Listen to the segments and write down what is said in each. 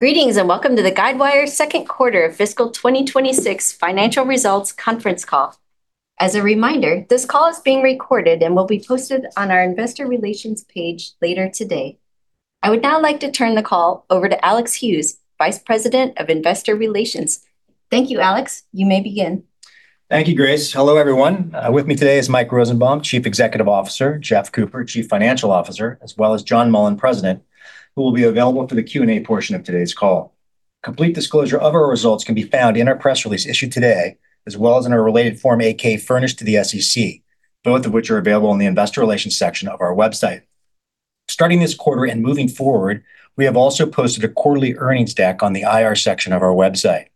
Greetings and welcome to the Guidewire Second Quarter Fiscal 2026 financial Results Conference Call. As a reminder, this call is being recorded and will be posted on our investor relations page later today. I would now like to turn the call over to Alex Hughes, Vice President of Investor Relations. Thank you, Alex. You may begin. Thank you, Grace. Hello, everyone. With me today is Mike Rosenbaum, Chief Executive Officer, Jeff Cooper, Chief Financial Officer, as well as John Mullen, President, who will be available for the Q&A portion of today's call. Complete disclosure of our results can be found in our press release issued today, as well as in our related Form 8-K furnished to the SEC, both of which are available in the Investor Relations section of our website. Starting this quarter and moving forward, we have also posted a quarterly earnings deck on the IR section of our website.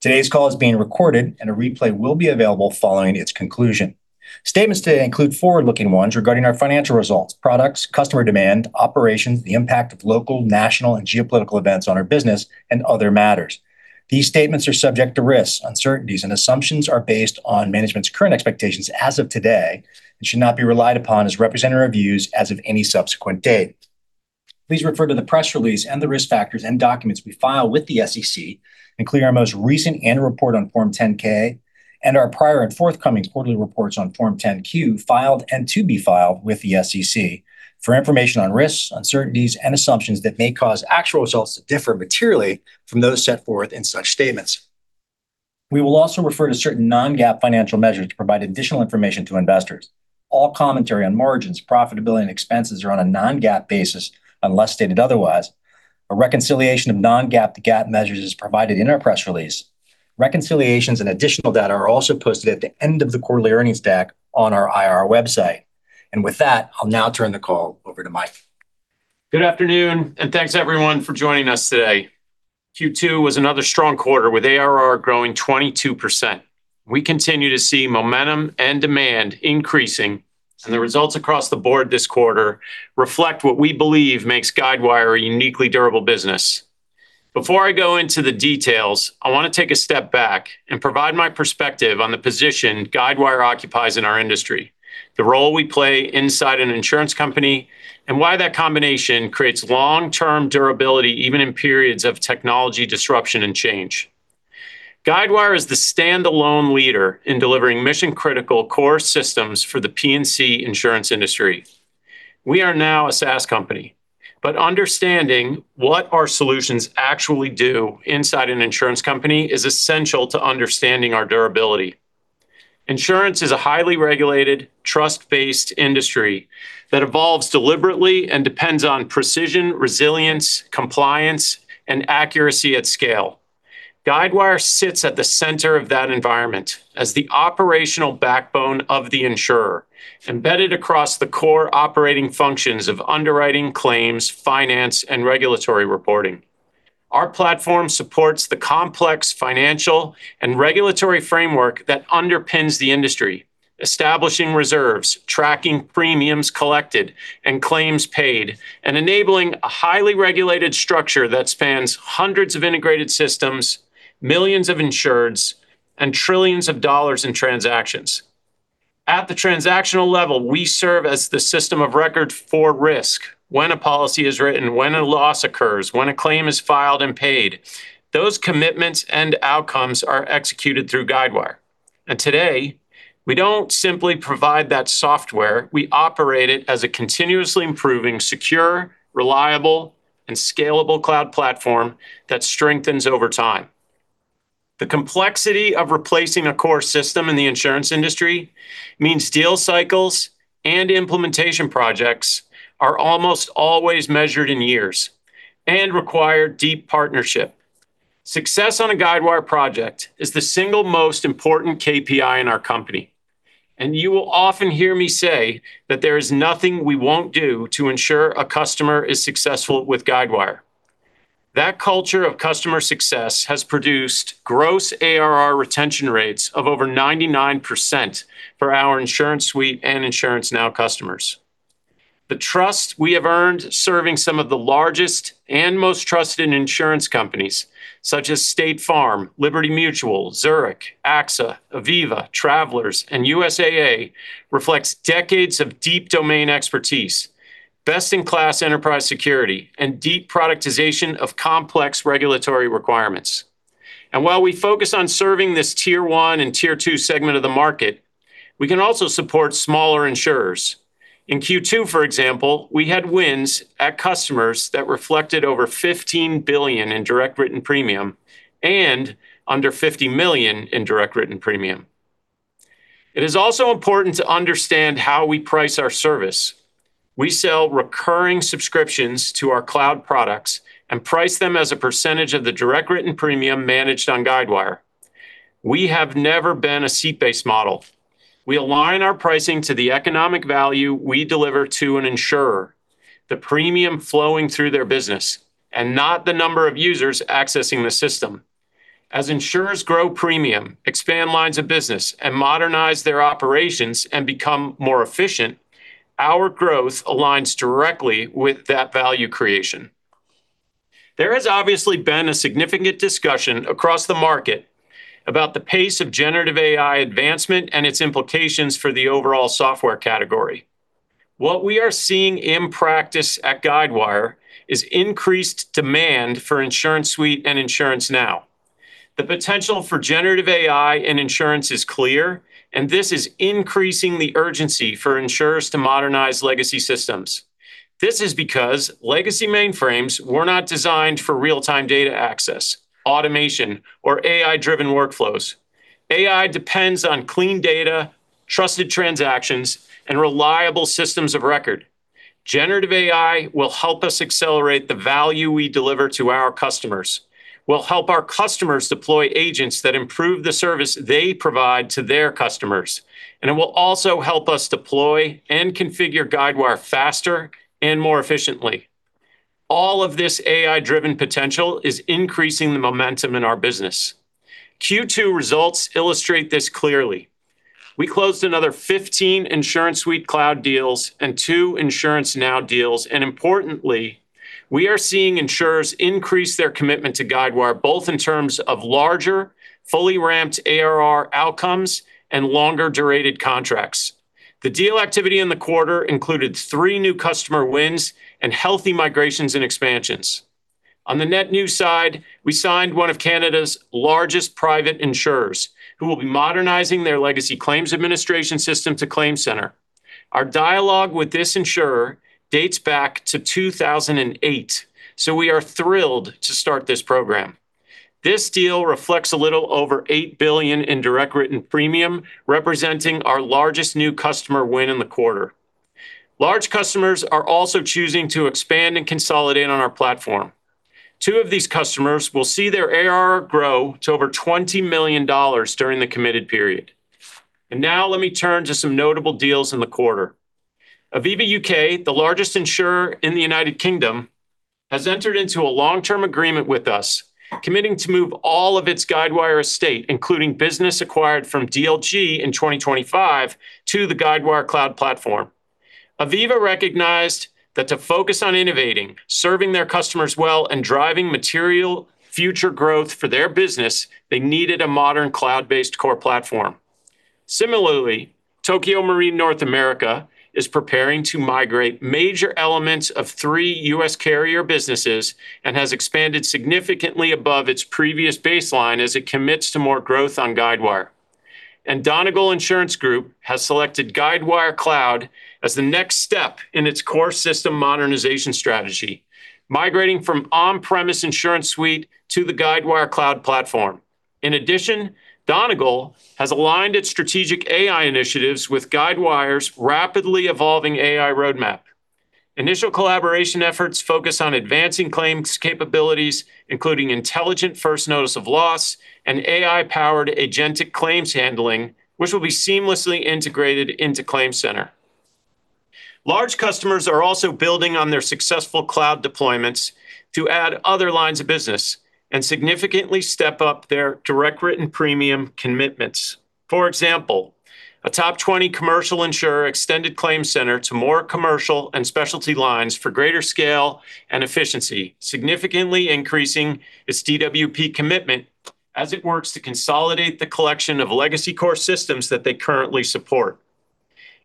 Today's call is being recorded, and a replay will be available following its conclusion. Statements today include forward-looking ones regarding our financial results, products, customer demand, operations, the impact of local, national, and geopolitical events on our business, and other matters. These statements are subject to risks, uncertainties, and assumptions are based on management's current expectations as of today and should not be relied upon as representative of views as of any subsequent date. Please refer to the press release and the risk factors and documents we file with the SEC, including our most recent annual report on Form 10-K and our prior and forthcoming quarterly reports on Form 10-Q filed and to be filed with the SEC for information on risks, uncertainties and assumptions that may cause actual results to differ materially from those set forth in such statements. We will also refer to certain non-GAAP financial measures to provide additional information to investors. All commentary on margins, profitability, and expenses are on a non-GAAP basis unless stated otherwise. A reconciliation of non-GAAP to GAAP measures is provided in our press release. Reconciliations and additional data are also posted at the end of the quarterly earnings deck on our IR website. With that, I'll now turn the call over to Mike. Good afternoon. Thanks, everyone, for joining us today. Q2 was another strong quarter with ARR growing 22%. We continue to see momentum and demand increasing, and the results across the board this quarter reflect what we believe makes Guidewire a uniquely durable business. Before I go into the details, I want to take a step back and provide my perspective on the position Guidewire occupies in our industry, the role we play inside an insurance company, and why that combination creates long-term durability even in periods of technology disruption and change. Guidewire is the standalone leader in delivering mission-critical core systems for the P&C insurance industry. We are now a SaaS company. Understanding what our solutions actually do inside an insurance company is essential to understanding our durability. Insurance is a highly regulated, trust-based industry that evolves deliberately and depends on precision, resilience, compliance, and accuracy at scale. Guidewire sits at the center of that environment as the operational backbone of the insurer, embedded across the core operating functions of underwriting, claims, finance, and regulatory reporting. Our platform supports the complex financial and regulatory framework that underpins the industry, establishing reserves, tracking premiums collected and claims paid, and enabling a highly regulated structure that spans hundreds of integrated systems, millions of insureds, and trillions of dollars in transactions. At the transactional level, we serve as the system of record for risk. When a policy is written, when a loss occurs, when a claim is filed and paid, those commitments and outcomes are executed through Guidewire. Today, we don't simply provide that software, we operate it as a continuously improving, secure, reliable, and scalable cloud platform that strengthens over time. The complexity of replacing a core system in the insurance industry means deal cycles and implementation projects are almost always measured in years and require deep partnership. Success on a Guidewire project is the single most important KPI in our company, and you will often hear me say that there is nothing we won't do to ensure a customer is successful with Guidewire. That culture of customer success has produced gross ARR retention rates of over 99% for our InsuranceSuite and InsuranceNow customers. The trust we have earned serving some of the largest and most trusted insurance companies, such as State Farm, Liberty Mutual, Zurich, AXA, Aviva, Travelers, and USAA reflects decades of deep domain expertise, best-in-class enterprise security, and deep productization of complex regulatory requirements. While we focus on serving this tier one and tier two segment of the market, we can also support smaller insurers. In Q2, for example, we had wins at customers that reflected over $15 billion in direct written premium and under $50 million in direct written premium. It is also important to understand how we price our service. We sell recurring subscriptions to our cloud products and price them as a percentage of the direct written premium managed on Guidewire. We have never been a seat-based model. We align our pricing to the economic value we deliver to an insurer, the premium flowing through their business, and not the number of users accessing the system. As insurers grow premium, expand lines of business, and modernize their operations and become more efficient, our growth aligns directly with that value creation. There has obviously been a significant discussion across the market about the pace of generative AI advancement and its implications for the overall software category. What we are seeing in practice at Guidewire is increased demand for InsuranceSuite and InsuranceNow. The potential for generative AI in insurance is clear, and this is increasing the urgency for insurers to modernize legacy systems. This is because legacy mainframes were not designed for real-time data access, automation, or AI-driven workflows. AI depends on clean data, trusted transactions, and reliable systems of record. Generative AI will help us accelerate the value we deliver to our customers. We'll help our customers deploy agents that improve the service they provide to their customers, and it will also help us deploy and configure Guidewire faster and more efficiently. All of this AI-driven potential is increasing the momentum in our business. Q2 results illustrate this clearly. We closed another 15 InsuranceSuite cloud deals and two InsuranceNow deals, and importantly, we are seeing insurers increase their commitment to Guidewire, both in terms of larger, fully ramped ARR outcomes and longer-durated contracts. The deal activity in the quarter included three new customer wins and healthy migrations and expansions. On the net new side, we signed one of Canada's largest private insurers, who will be modernizing their legacy claims administration system to ClaimCenter. Our dialogue with this insurer dates back to 2008, we are thrilled to start this program. This deal reflects a little over $8 billion in direct written premium, representing our largest new customer win in the quarter. Large customers are also choosing to expand and consolidate on our platform. Two of these customers will see their ARR grow to over $20 million during the committed period. Now let me turn to some notable deals in the quarter. Aviva UK, the largest insurer in the United Kingdom, has entered into a long-term agreement with us, committing to move all of its Guidewire estate, including business acquired from DLG in 2025, to the Guidewire Cloud Platform. Aviva recognized that to focus on innovating, serving their customers well, and driving material future growth for their business, they needed a modern cloud-based core platform. Similarly, Tokio Marine North America is preparing to migrate major elements of three U.S. carrier businesses and has expanded significantly above its previous baseline as it commits to more growth on Guidewire. Donegal Insurance Group has selected Guidewire Cloud as the next step in its core system modernization strategy, migrating from on-premise InsuranceSuite to the Guidewire Cloud Platform. In addition, Donegal has aligned its strategic AI initiatives with Guidewire's rapidly evolving AI roadmap. Initial collaboration efforts focus on advancing claims capabilities, including intelligent first notice of loss and AI-powered agentic claims handling, which will be seamlessly integrated into ClaimCenter. Large customers are also building on their successful cloud deployments to add other lines of business and significantly step up their direct written premium commitments. For example, a top 20 commercial insurer extended ClaimCenter to more commercial and specialty lines for greater scale and efficiency, significantly increasing its DWP commitment as it works to consolidate the collection of legacy core systems that they currently support.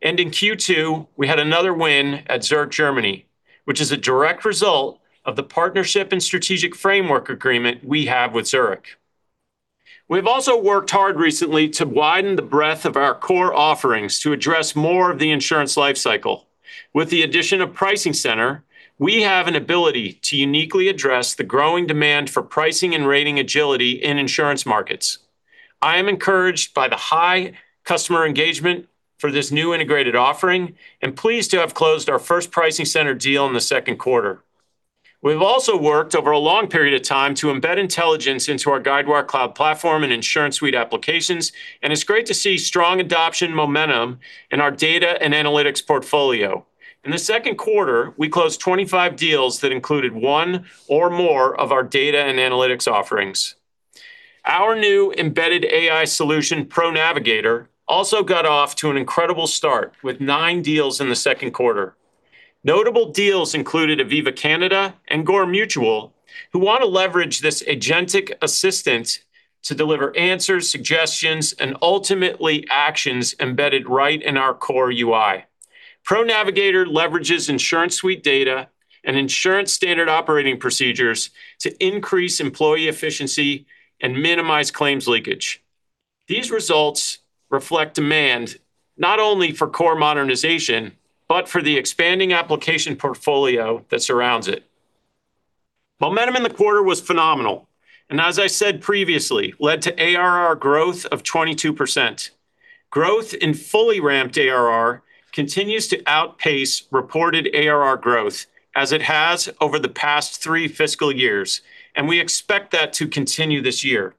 In Q2, we had another win at Zurich Germany, which is a direct result of the partnership and strategic framework agreement we have with Zurich. With the addition of PricingCenter, we have an ability to uniquely address the growing demand for pricing and rating agility in insurance markets. I am encouraged by the high customer engagement for this new integrated offering and pleased to have closed our first PricingCenter deal in the second quarter. We've also worked over a long period of time to embed intelligence into our Guidewire Cloud Platform and InsuranceSuite applications, and it's great to see strong adoption momentum in our data and analytics portfolio. In the second quarter, we closed 25 deals that included one or more of our data and analytics offerings. Our new embedded AI solution, ProNavigator, also got off to an incredible start with nine deals in the second quarter. Notable deals included Aviva Canada and Gore Mutual, who want to leverage this agentic assistant to deliver answers, suggestions, and ultimately actions embedded right in our core UI. ProNavigator leverages InsuranceSuite data and insurance standard operating procedures to increase employee efficiency and minimize claims leakage. These results reflect demand not only for core modernization, but for the expanding application portfolio that surrounds it. Momentum in the quarter was phenomenal. As I said previously, led to ARR growth of 22%. Growth in fully ramped ARR continues to outpace reported ARR growth as it has over the past 3 fiscal years. We expect that to continue this year.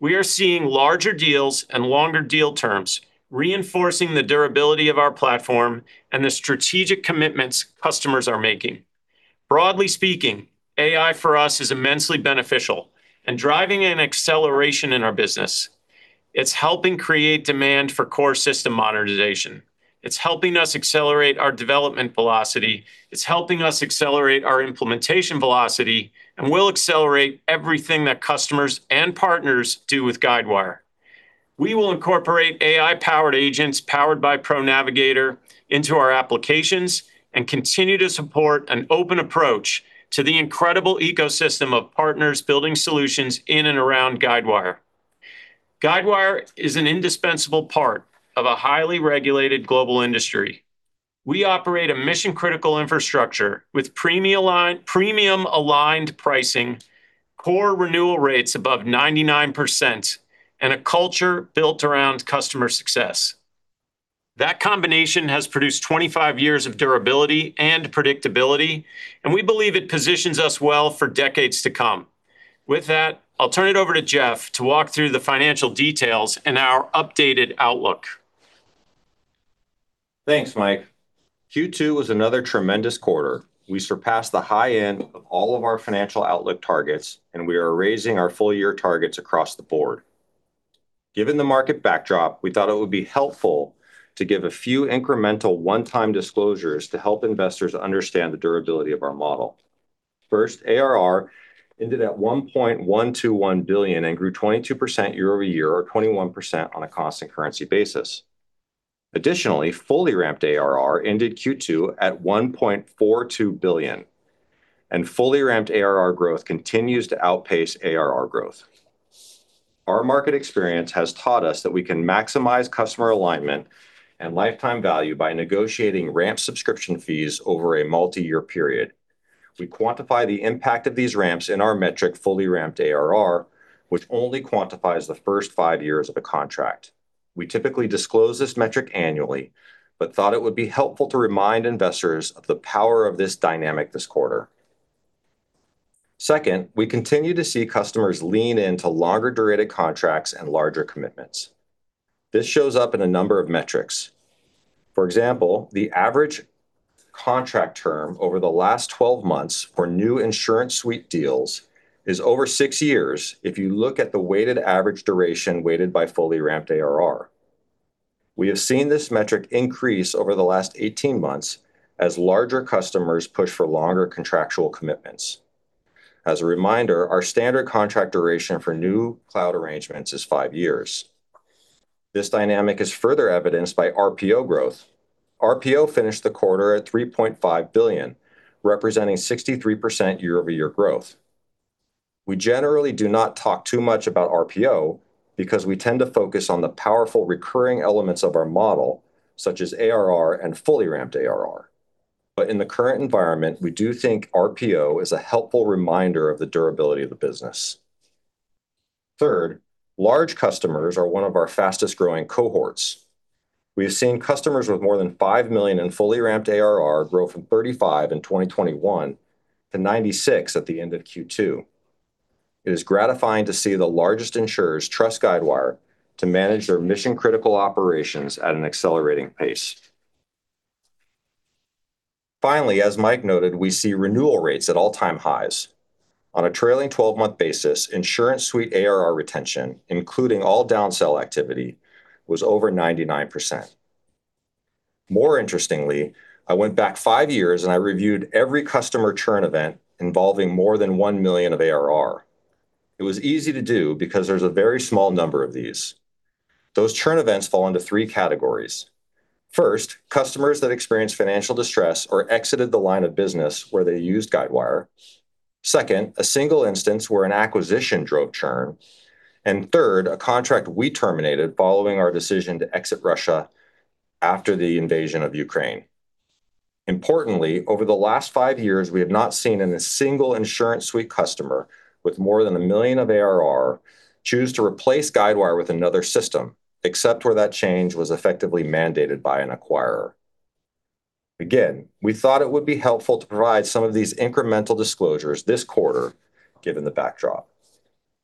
We are seeing larger deals and longer deal terms, reinforcing the durability of our platform and the strategic commitments customers are making. Broadly speaking, AI for us is immensely beneficial and driving an acceleration in our business. It's helping create demand for core system modernization. It's helping us accelerate our development velocity. It's helping us accelerate our implementation velocity. We'll accelerate everything that customers and partners do with Guidewire. We will incorporate AI-powered agents powered by ProNavigator into our applications and continue to support an open approach to the incredible ecosystem of partners building solutions in and around Guidewire. Guidewire is an indispensable part of a highly regulated global industry. We operate a mission-critical infrastructure with premium-aligned pricing, core renewal rates above 99%, and a culture built around customer success. That combination has produced 25 years of durability and predictability, and we believe it positions us well for decades to come. With that, I'll turn it over to Jeff to walk through the financial details and our updated outlook. Thanks, Mike. Q2 was another tremendous quarter. We surpassed the high end of all of our financial outlook targets, and we are raising our full year targets across the board. Given the market backdrop, we thought it would be helpful to give a few incremental one-time disclosures to help investors understand the durability of our model. First, ARR ended at $1.121 billion and grew 22% year-over-year, or 21% on a constant currency basis. Additionally, fully ramped ARR ended Q2 at $1.42 billion, and fully ramped ARR growth continues to outpace ARR growth. Our market experience has taught us that we can maximize customer alignment and lifetime value by negotiating ramp subscription fees over a multi-year period. We quantify the impact of these ramps in our metric fully ramped ARR, which only quantifies the first five years of a contract. We typically disclose this metric annually, but thought it would be helpful to remind investors of the power of this dynamic this quarter. Second, we continue to see customers lean into longer-durated contracts and larger commitments. This shows up in a number of metrics. For example, the average contract term over the last 12 months for new InsuranceSuite deals is over 6 years if you look at the weighted average duration weighted by fully ramped ARR. We have seen this metric increase over the last 18 months as larger customers push for longer contractual commitments. As a reminder, our standard contract duration for new cloud arrangements is 5 years. This dynamic is further evidenced by RPO growth. RPO finished the quarter at $3.5 billion, representing 63% year-over-year growth. We generally do not talk too much about RPO because we tend to focus on the powerful recurring elements of our model, such as ARR and fully ramped ARR. In the current environment, we do think RPO is a helpful reminder of the durability of the business. Third, large customers are one of our fastest-growing cohorts. We have seen customers with more than $5 million in fully ramped ARR grow from 35 in 2021 to 96 at the end of Q2. It is gratifying to see the largest insurers trust Guidewire to manage their mission-critical operations at an accelerating pace. Finally, as Mike noted, we see renewal rates at all-time highs. On a trailing twelve-month basis, InsuranceSuite ARR retention, including all down-sell activity, was over 99%. More interestingly, I went back 5 years, I reviewed every customer churn event involving more than $1 million of ARR. It was easy to do because there's a very small number of these. Those churn events fall into three categories. First, customers that experienced financial distress or exited the line of business where they used Guidewire. Second, a single instance where an acquisition drove churn. Third, a contract we terminated following our decision to exit Russia after the invasion of Ukraine. Importantly, over the last 5 years, we have not seen a single InsuranceSuite customer with more than $1 million of ARR choose to replace Guidewire with another system, except where that change was effectively mandated by an acquirer. Again, we thought it would be helpful to provide some of these incremental disclosures this quarter, given the backdrop.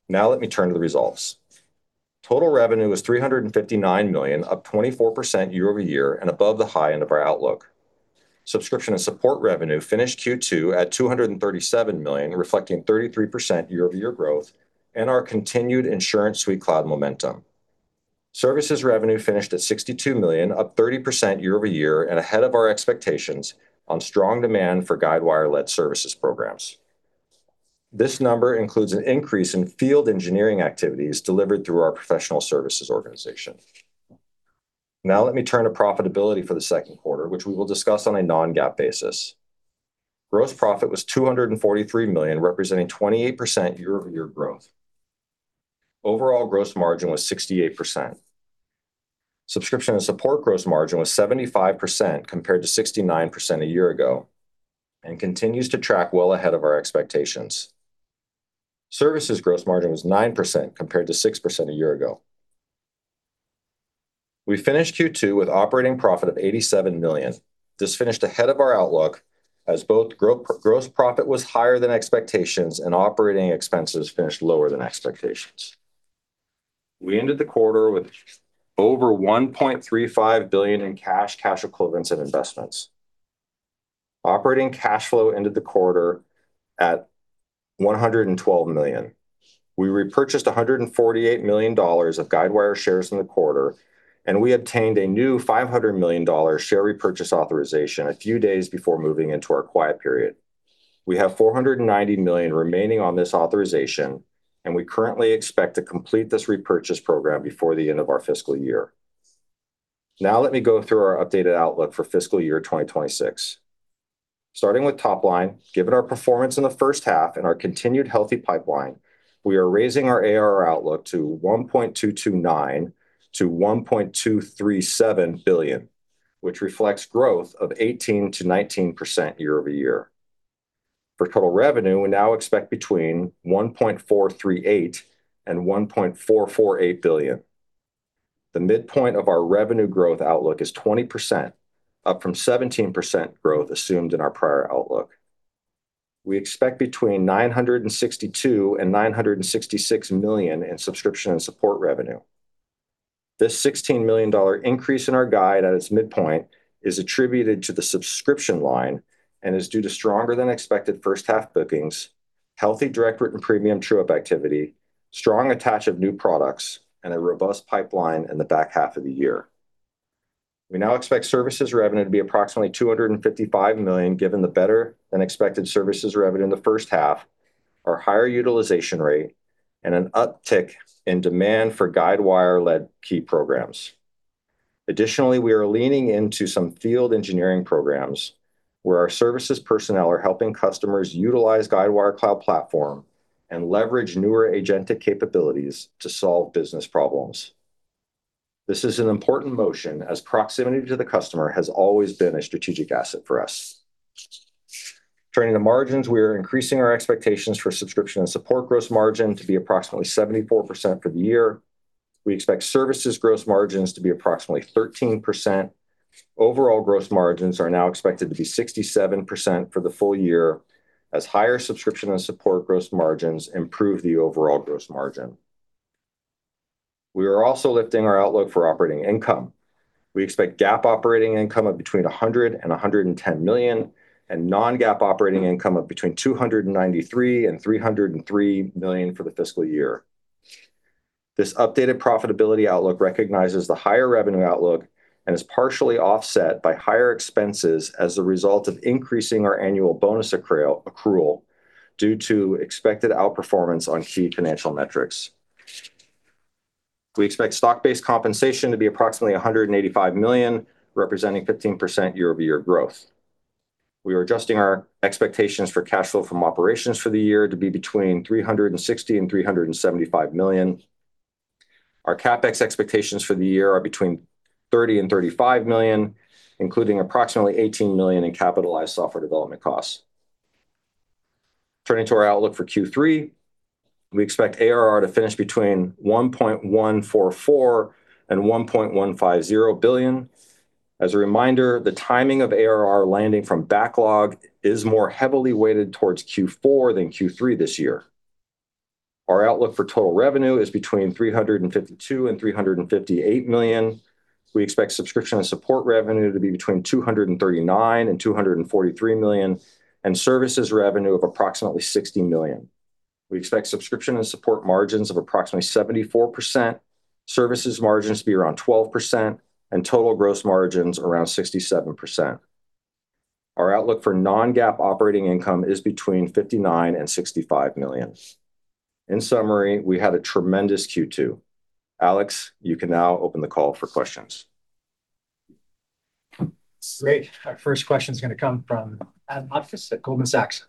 Let me turn to the results. Total revenue was $359 million, up 24% year-over-year and above the high end of our outlook. Subscription and support revenue finished Q2 at $237 million, reflecting 33% year-over-year growth and our continued InsuranceSuite cloud momentum. Services revenue finished at $62 million, up 30% year-over-year and ahead of our expectations on strong demand for Guidewire-led services programs. This number includes an increase in field engineering activities delivered through our professional services organization. Let me turn to profitability for the second quarter, which we will discuss on a non-GAAP basis. Gross profit was $243 million, representing 28% year-over-year growth. Overall gross margin was 68%. Subscription and support gross margin was 75% compared to 69% a year ago and continues to track well ahead of our expectations. Services gross margin was 9% compared to 6% a year ago. We finished Q2 with operating profit of $87 million. This finished ahead of our outlook as both gross profit was higher than expectations and operating expenses finished lower than expectations. We ended the quarter with over $1.35 billion in cash equivalents, and investments. Operating cash flow ended the quarter at $112 million. We repurchased $148 million of Guidewire shares in the quarter. We obtained a new $500 million share repurchase authorization a few days before moving into our quiet period. We have $490 million remaining on this authorization. We currently expect to complete this repurchase program before the end of our fiscal year. Let me go through our updated outlook for fiscal year 2026. Starting with top line, given our performance in the first half and our continued healthy pipeline, we are raising our ARR outlook to $1.229 billion-$1.237 billion, which reflects growth of 18%-19% year-over-year. For total revenue, we now expect between $1.438 billion and $1.448 billion. The midpoint of our revenue growth outlook is 20%, up from 17% growth assumed in our prior outlook. We expect between $962 million and $966 million in subscription and support revenue. This $16 million increase in our guide at its midpoint is attributed to the subscription line and is due to stronger than expected first half bookings, healthy direct written premium true-up activity, strong attach of new products, and a robust pipeline in the back half of the year. We now expect services revenue to be approximately $255 million, given the better-than-expected services revenue in the first half, our higher utilization rate, and an uptick in demand for Guidewire-led key programs. We are leaning into some field engineering programs where our services personnel are helping customers utilize Guidewire Cloud Platform and leverage newer agentic capabilities to solve business problems. This is an important motion, as proximity to the customer has always been a strategic asset for us. Turning to margins, we are increasing our expectations for subscription and support gross margin to be approximately 74% for the year. We expect services gross margins to be approximately 13%. Overall gross margins are now expected to be 67% for the full year as higher subscription and support gross margins improve the overall gross margin. We are also lifting our outlook for operating income. We expect GAAP operating income of between $100 million and $110 million, and non-GAAP operating income of between $293 million and $303 million for the fiscal year. This updated profitability outlook recognizes the higher revenue outlook and is partially offset by higher expenses as a result of increasing our annual bonus accrual due to expected outperformance on key financial metrics. We expect stock-based compensation to be approximately $185 million, representing 15% year-over-year growth. We are adjusting our expectations for cash flow from operations for the year to be between $360 million and $375 million. Our CapEx expectations for the year are between $30 million and $35 million, including approximately $18 million in capitalized software development costs. Turning to our outlook for Q3, we expect ARR to finish between $1.144 billion and $1.150 billion. As a reminder, the timing of ARR landing from backlog is more heavily weighted towards Q4 than Q3 this year. Our outlook for total revenue is between $352 million and $358 million. We expect subscription and support revenue to be between $239 million and $243 million, and services revenue of approximately $60 million. We expect subscription and support margins of approximately 74%, services margins to be around 12%, and total gross margins around 67%. Our outlook for non-GAAP operating income is between $59 million and $65 million. In summary, we had a tremendous Q2. Alex Hughes, you can now open the call for questions. Great. Our first question is going to come from Adam Hotchkiss at Goldman Sachs.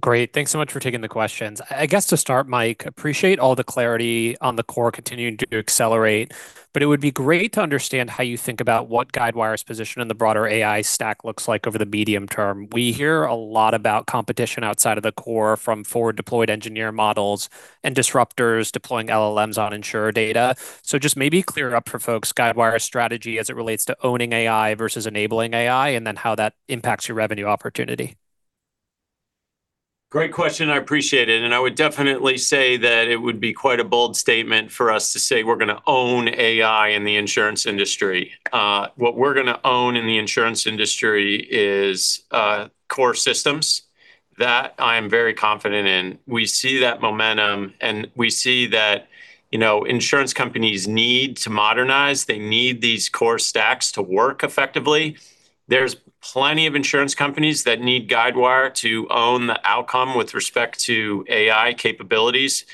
Great. Thanks so much for taking the questions. I guess to start, Mike, appreciate all the clarity on the core continuing to accelerate. It would be great to understand how you think about what Guidewire's position in the broader AI stack looks like over the medium term. We hear a lot about competition outside of the core from forward deployed engineer models and disruptors deploying LLMs on insurer data. Just maybe clear it up for folks, Guidewire's strategy as it relates to owning AI versus enabling AI, and then how that impacts your revenue opportunity. Great question. I appreciate it. I would definitely say that it would be quite a bold statement for us to say we're gonna own AI in the insurance industry. What we're gonna own in the insurance industry is core systems that I am very confident in. We see that momentum, and we see that, you know, insurance companies need to modernize. They need these core stacks to work effectively. There's plenty of insurance companies that need Guidewire to own the outcome with respect to AI capabilities.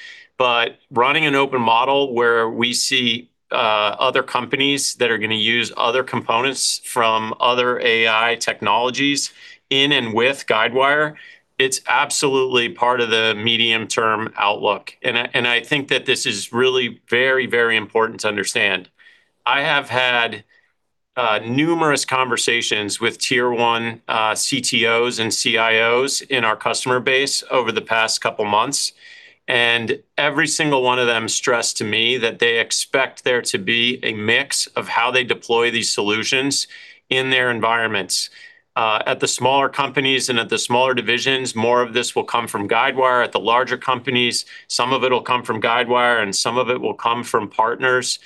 Running an open model where we see other companies that are gonna use other components from other AI technologies in and with Guidewire, it's absolutely part of the medium-term outlook. I think that this is really very, very important to understand. I have had numerous conversations with Tier 1 CTOs and CIOs in our customer base over the past couple of months. Every single one of them stressed to me that they expect there to be a mix of how they deploy these solutions in their environments. At the smaller companies and at the smaller divisions, more of this will come from Guidewire. At the larger companies, some of it'll come from Guidewire, and some of it will come from partners.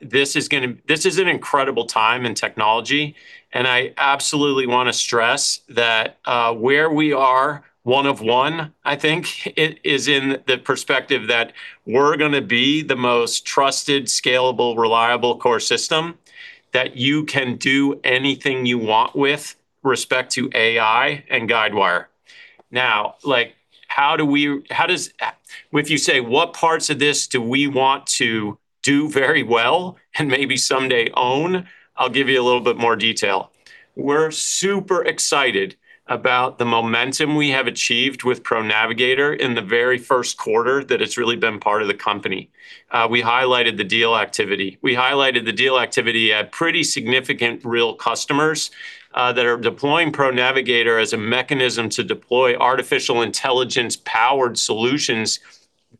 This is an incredible time in technology, and I absolutely wanna stress that, where we are one of one, I think, it is in the perspective that we're gonna be the most trusted, scalable, reliable core system that you can do anything you want with respect to AI and Guidewire. If you say, what parts of this do we want to do very well and maybe someday own? I'll give you a little bit more detail. We're super excited about the momentum we have achieved with ProNavigator in the very first quarter that it's really been part of the company. We highlighted the deal activity. We highlighted the deal activity at pretty significant real customers that are deploying ProNavigator as a mechanism to deploy artificial intelligence-powered solutions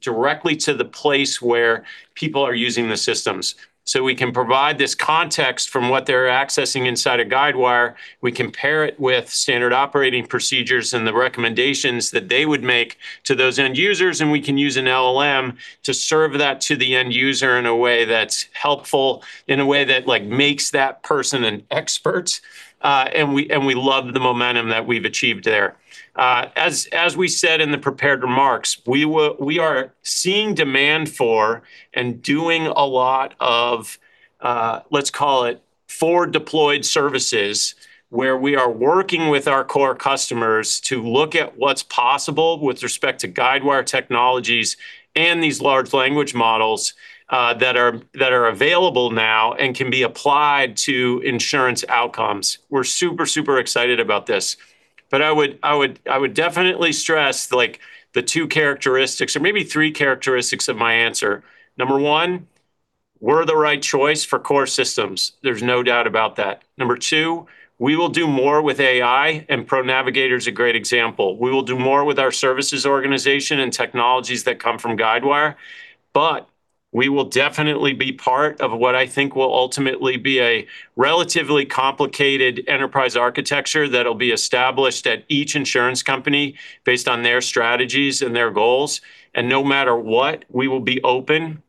directly to the place where people are using the systems. We can provide this context from what they're accessing inside of Guidewire, we can pair it with standard operating procedures and the recommendations that they would make to those end users, and we can use an LLM to serve that to the end user in a way that's helpful, in a way that, like, makes that person an expert. We love the momentum that we've achieved there. As, as we said in the prepared remarks, we are seeing demand for and doing a lot of, let's call it 4 deployed services where we are working with our core customers to look at what's possible with respect to Guidewire technologies and these large language models that are available now and can be applied to insurance outcomes. We're super excited about this. I would definitely stress, like, the two characteristics or maybe three characteristics of my answer. Number one, we're the right choice for core systems. There's no doubt about that. Number two, we will do more with AI, and ProNavigator is a great example. We will do more with our services organization and technologies that come from Guidewire. We will definitely be part of what I think will ultimately be a relatively complicated enterprise architecture that'll be established at each insurance company based on their strategies and their goals. No matter what, we will be open,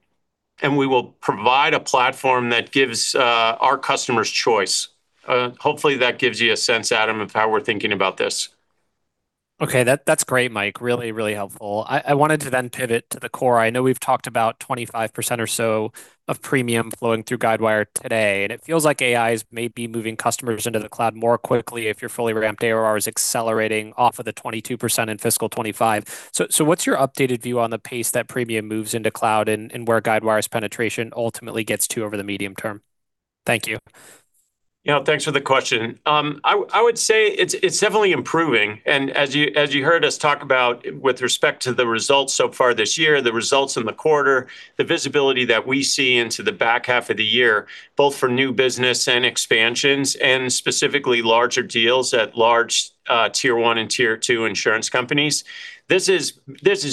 and we will provide a platform that gives our customers choice. Hopefully that gives you a sense, Adam, of how we're thinking about this. That, that's great, Mike. Really, really helpful. I wanted to then pivot to the core. I know we've talked about 25% or so of premium flowing through Guidewire today, and it feels like AI may be moving customers into the cloud more quickly if your fully ramped ARR is accelerating off of the 22% in fiscal 2025. What's your updated view on the pace that premium moves into cloud and where Guidewire's penetration ultimately gets to over the medium term? Thank you. You know, thanks for the question. I would say it's definitely improving, and as you heard us talk about with respect to the results so far this year, the results in the quarter, the visibility that we see into the back half of the year, both for new business and expansions and specifically larger deals at large, tier one and tier two insurance companies, this is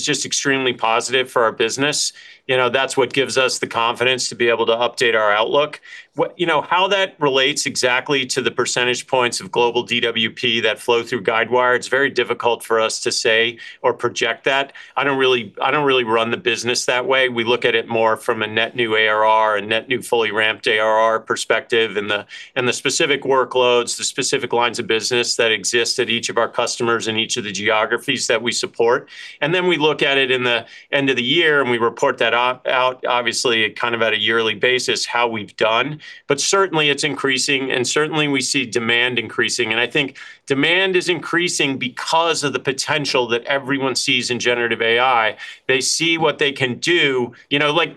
just extremely positive for our business. You know, that's what gives us the confidence to be able to update our outlook. You know, how that relates exactly to the percentage points of global DWP that flow through Guidewire, it's very difficult for us to say or project that. I don't really run the business that way. We look at it more from a net new ARR, a net new fully ramped ARR perspective and the specific workloads, the specific lines of business that exist at each of our customers in each of the geographies that we support. Then we look at it in the end of the year, and we report that out obviously at kind of at a yearly basis how we've done. Certainly it's increasing, and certainly we see demand increasing. I think demand is increasing because of the potential that everyone sees in generative AI. They see what they can do. You know, like,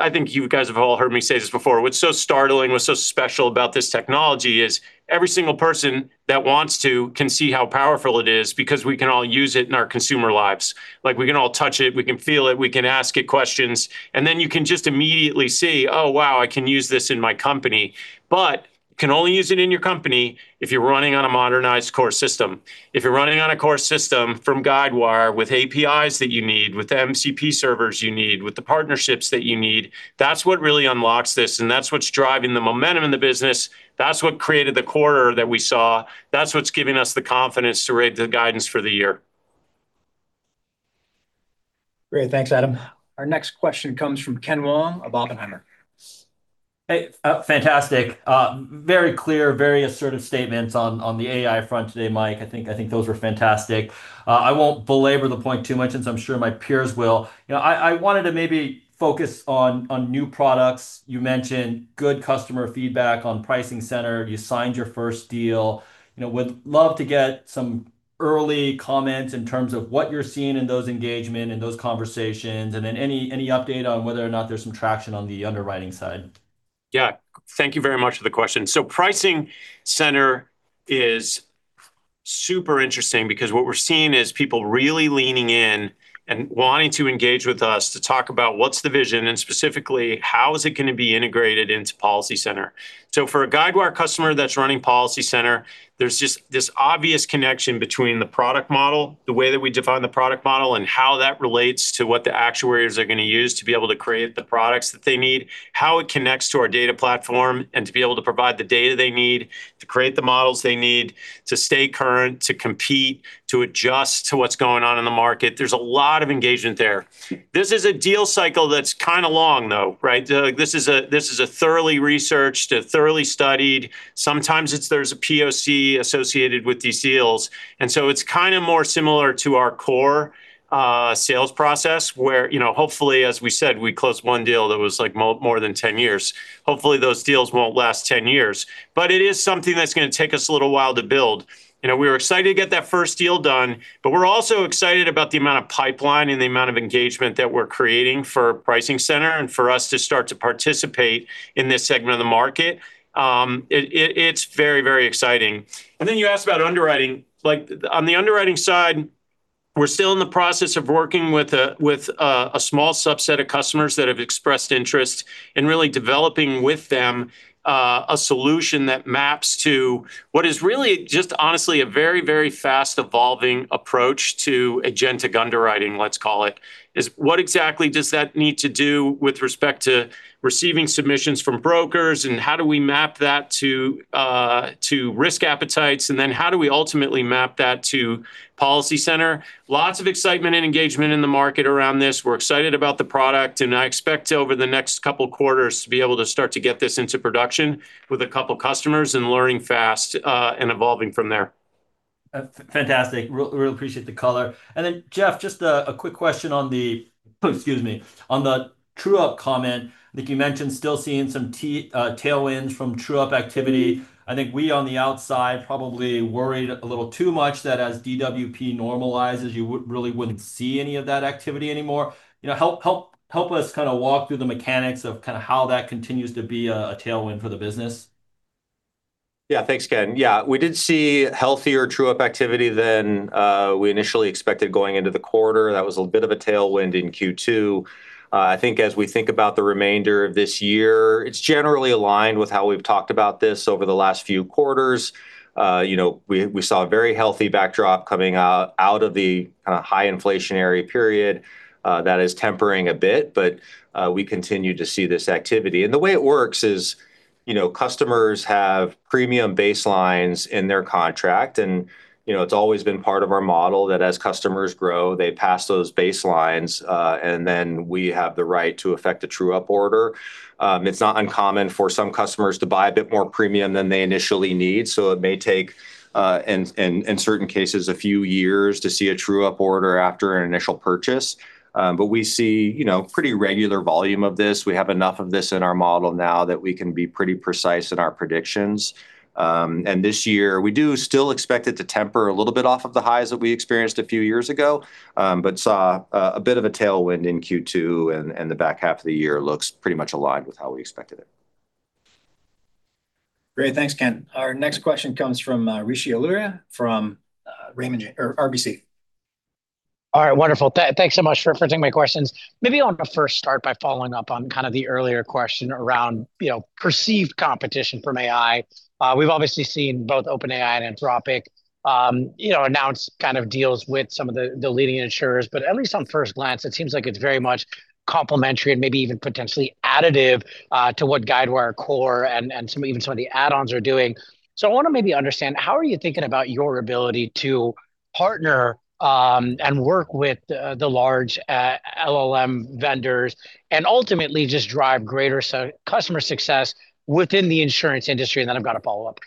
I think you guys have all heard me say this before. What's so startling, what's so special about this technology is every single person that wants to can see how powerful it is because we can all use it in our consumer lives. Like, we can all touch it, we can feel it, we can ask it questions, and then you can just immediately see, oh, wow, I can use this in my company. You can only use it in your company if you're running on a modernized core system. If you're running on a core system from Guidewire with APIs that you need, with MCP servers you need, with the partnerships that you need, that's what really unlocks this, and that's what's driving the momentum in the business. That's what created the quarter that we saw. That's what's giving us the confidence to raise the guidance for the year. Great. Thanks, Adam. Our next question comes from Ken Wong of Oppenheimer. Hey, fantastic. Very clear, very assertive statements on the AI front today, Mike. I think those were fantastic. I won't belabor the point too much since I'm sure my peers will. You know, I wanted to maybe focus on new products. You mentioned good customer feedback on PricingCenter. You signed your first deal. You know, would love to get some early comments in terms of what you're seeing in those engagement, in those conversations, and then any update on whether or not there's some traction on the underwriting side. Yeah. Thank you very much for the question. PricingCenter is super interesting because what we're seeing is people really leaning in and wanting to engage with us to talk about what's the vision and specifically how is it going to be integrated into PolicyCenter. For a Guidewire customer that's running PolicyCenter, there's just this obvious connection between the product model, the way that we define the product model, and how that relates to what the actuaries are going to use to be able to create the products that they need, how it connects to our data platform, and to be able to provide the data they need to create the models they need to stay current, to compete, to adjust to what's going on in the market. There's a lot of engagement there. This is a deal cycle that's kind of long, though, right? This is a thoroughly researched, a thoroughly studied. Sometimes there's a POC associated with these deals. It's kinda more similar to our core sales process where, you know, hopefully, as we said, we closed one deal that was, like, more than 10 years. Hopefully, those deals won't last 10 years. It is something that's gonna take us a little while to build. You know, we're excited to get that 1st deal done, but we're also excited about the amount of pipeline and the amount of engagement that we're creating for PricingCenter and for us to start to participate in this segment of the market. It's very, very exciting. Then you asked about underwriting. Like, on the underwriting side, we're still in the process of working with a small subset of customers that have expressed interest and really developing with them, a solution that maps to what is really just honestly a very, very fast evolving approach to agentic underwriting, let's call it, is what exactly does that need to do with respect to receiving submissions from brokers, and how do we map that to risk appetites, and then how do we ultimately map that to PolicyCenter? Lots of excitement and engagement in the market around this. We're excited about the product, and I expect over the next couple quarters to be able to start to get this into production with a couple customers and learning fast and evolving from there. Fantastic. Really appreciate the color. Jeff, just a quick question on the, excuse me, on the true-up comment. I think you mentioned still seeing some tailwinds from true-up activity. I think we on the outside probably worried a little too much that as DWP normalizes, you really wouldn't see any of that activity anymore. You know, help us kinda walk through the mechanics of kinda how that continues to be a tailwind for the business. Thanks, Ken. We did see healthier true-up activity than we initially expected going into the quarter. That was a bit of a tailwind in Q2. I think as we think about the remainder of this year, it's generally aligned with how we've talked about this over the last few quarters. You know, we saw a very healthy backdrop coming out of the kind of high inflationary period that is tempering a bit. We continue to see this activity. The way it works is, you know, customers have premium baselines in their contract. You know, it's always been part of our model that as customers grow, they pass those baselines, and then we have the right to affect a true-up order. It's not uncommon for some customers to buy a bit more premium than they initially need, it may take in certain cases, a few years to see a true-up order after an initial purchase. We see, you know, pretty regular volume of this. We have enough of this in our model now that we can be pretty precise in our predictions. This year, we do still expect it to temper a little bit off of the highs that we experienced a few years ago, but saw a bit of a tailwind in Q2, and the back half of the year looks pretty much aligned with how we expected it. Great. Thanks, Ken Wong. Our next question comes from Rishi Jaluria from RBC. All right. Wonderful. Thanks so much for taking my questions. Maybe I wanna first start by following up on kind of the earlier question around, you know, perceived competition from AI. We've obviously seen both OpenAI and Anthropic, you know, announce kind of deals with some of the leading insurers. At least on first glance, it seems like it's very much complementary and maybe even potentially additive to what Guidewire Core and some even some of the add-ons are doing. I wanna maybe understand, how are you thinking about your ability to partner and work with the large LLM vendors and ultimately just drive greater customer success within the insurance industry? I've got a follow-up.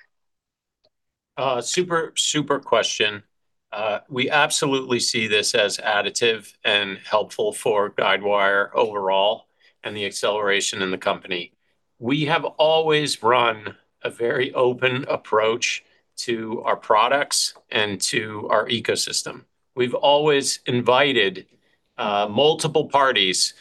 Super, super question. We absolutely see this as additive and helpful for Guidewire overall and the acceleration in the company. We have always run a very open approach to our products and to our ecosystem. We've always invited multiple parties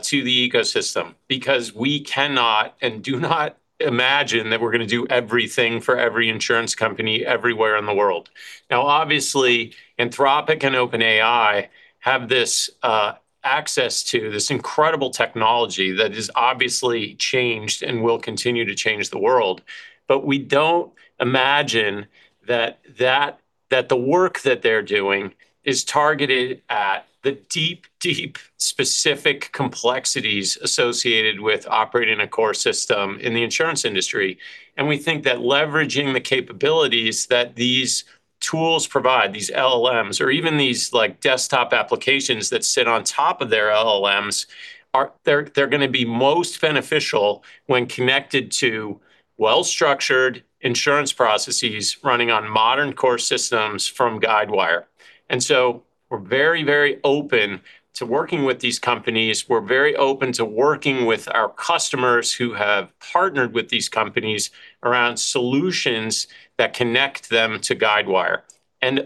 to the ecosystem because we cannot and do not imagine that we're gonna do everything for every insurance company everywhere in the world. Obviously, Anthropic and OpenAI have this access to this incredible technology that has obviously changed and will continue to change the world. We don't imagine that the work that they're doing is targeted at the deep, deep specific complexities associated with operating a core system in the insurance industry. We think that leveraging the capabilities that these tools provide, these LLMs or even these, like, desktop applications that sit on top of their LLMs they're gonna be most beneficial when connected to well-structured insurance processes running on modern core systems from Guidewire. We're very, very open to working with these companies. We're very open to working with our customers who have partnered with these companies around solutions that connect them to Guidewire.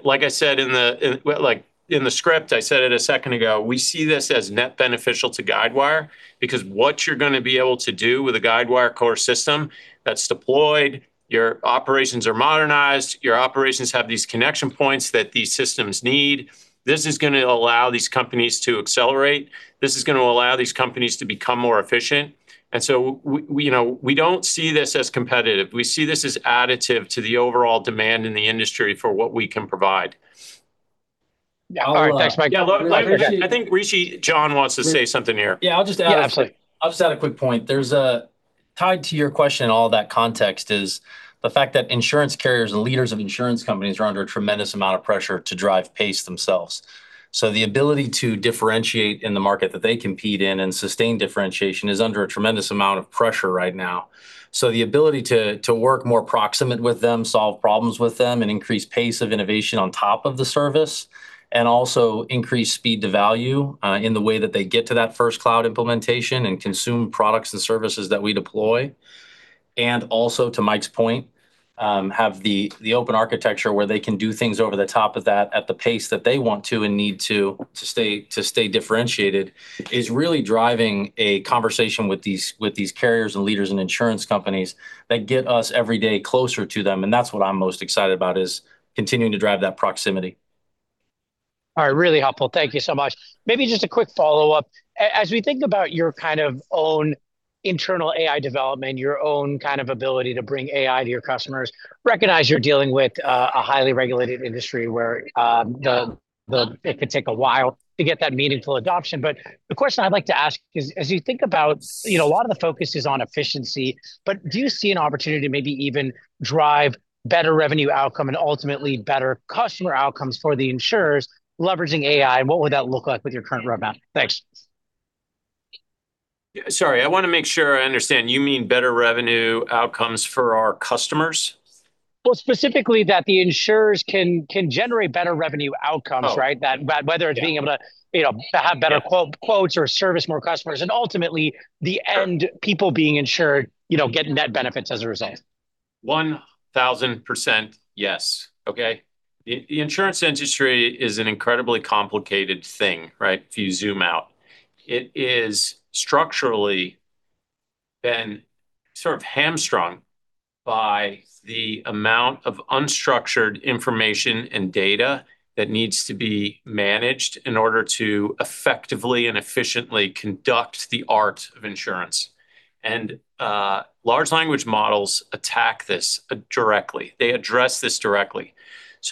Like I said in the, well, like, in the script, I said it a second ago, we see this as net beneficial to Guidewire because what you're gonna be able to do with a Guidewire core system that's deployed, your operations are modernized, your operations have these connection points that these systems need. This is gonna allow these companies to accelerate. This is gonna allow these companies to become more efficient. We, you know, we don't see this as competitive. We see this as additive to the overall demand in the industry for what we can provide. Yeah. All right, thanks Mike Yeah. Look, like, I think Rishi, John wants to say something here. Yeah, I'll just add... Yeah, absolutely. I'll just add a quick point. There's Tied to your question in all that context is the fact that insurance carriers and leaders of insurance companies are under a tremendous amount of pressure to drive pace themselves. The ability to differentiate in the market that they compete in and sustain differentiation is under a tremendous amount of pressure right now. The ability to work more proximate with them, solve problems with them, and increase pace of innovation on top of the service, and also increase speed to value in the way that they get to that first Cloud implementation and consume products and services that we deploy. Also, to Mike's point, have the open architecture where they can do things over the top of that at the pace that they want to and need to stay differentiated, is really driving a conversation with these carriers and leaders in insurance companies that get us every day closer to them, and that's what I'm most excited about, is continuing to drive that proximity. All right. Really helpful. Thank you so much. Maybe just a quick follow-up. As we think about your kind of own internal AI development, your own kind of ability to bring AI to your customers, recognize you're dealing with a highly regulated industry where it could take a while to get that meaningful adoption. The question I'd like to ask is, as you think about, you know, a lot of the focus is on efficiency, but do you see an opportunity to maybe even drive better revenue outcome and ultimately better customer outcomes for the insurers leveraging AI, and what would that look like with your current roadmap? Thanks. Sorry, I wanna make sure I understand. You mean better revenue outcomes for our customers? Well, specifically that the insurers can generate better revenue outcomes. Oh. Right? That. But Yeah. It's being able to, you know, to have better quotes or service more customers, and ultimately the end people being insured, you know, get net benefits as a result. 1,000% yes, okay? The insurance industry is an incredibly complicated thing, right? If you zoom out. It is structurally been sort of hamstrung by the amount of unstructured information and data that needs to be managed in order to effectively and efficiently conduct the art of insurance. Large language models attack this directly. They address this directly.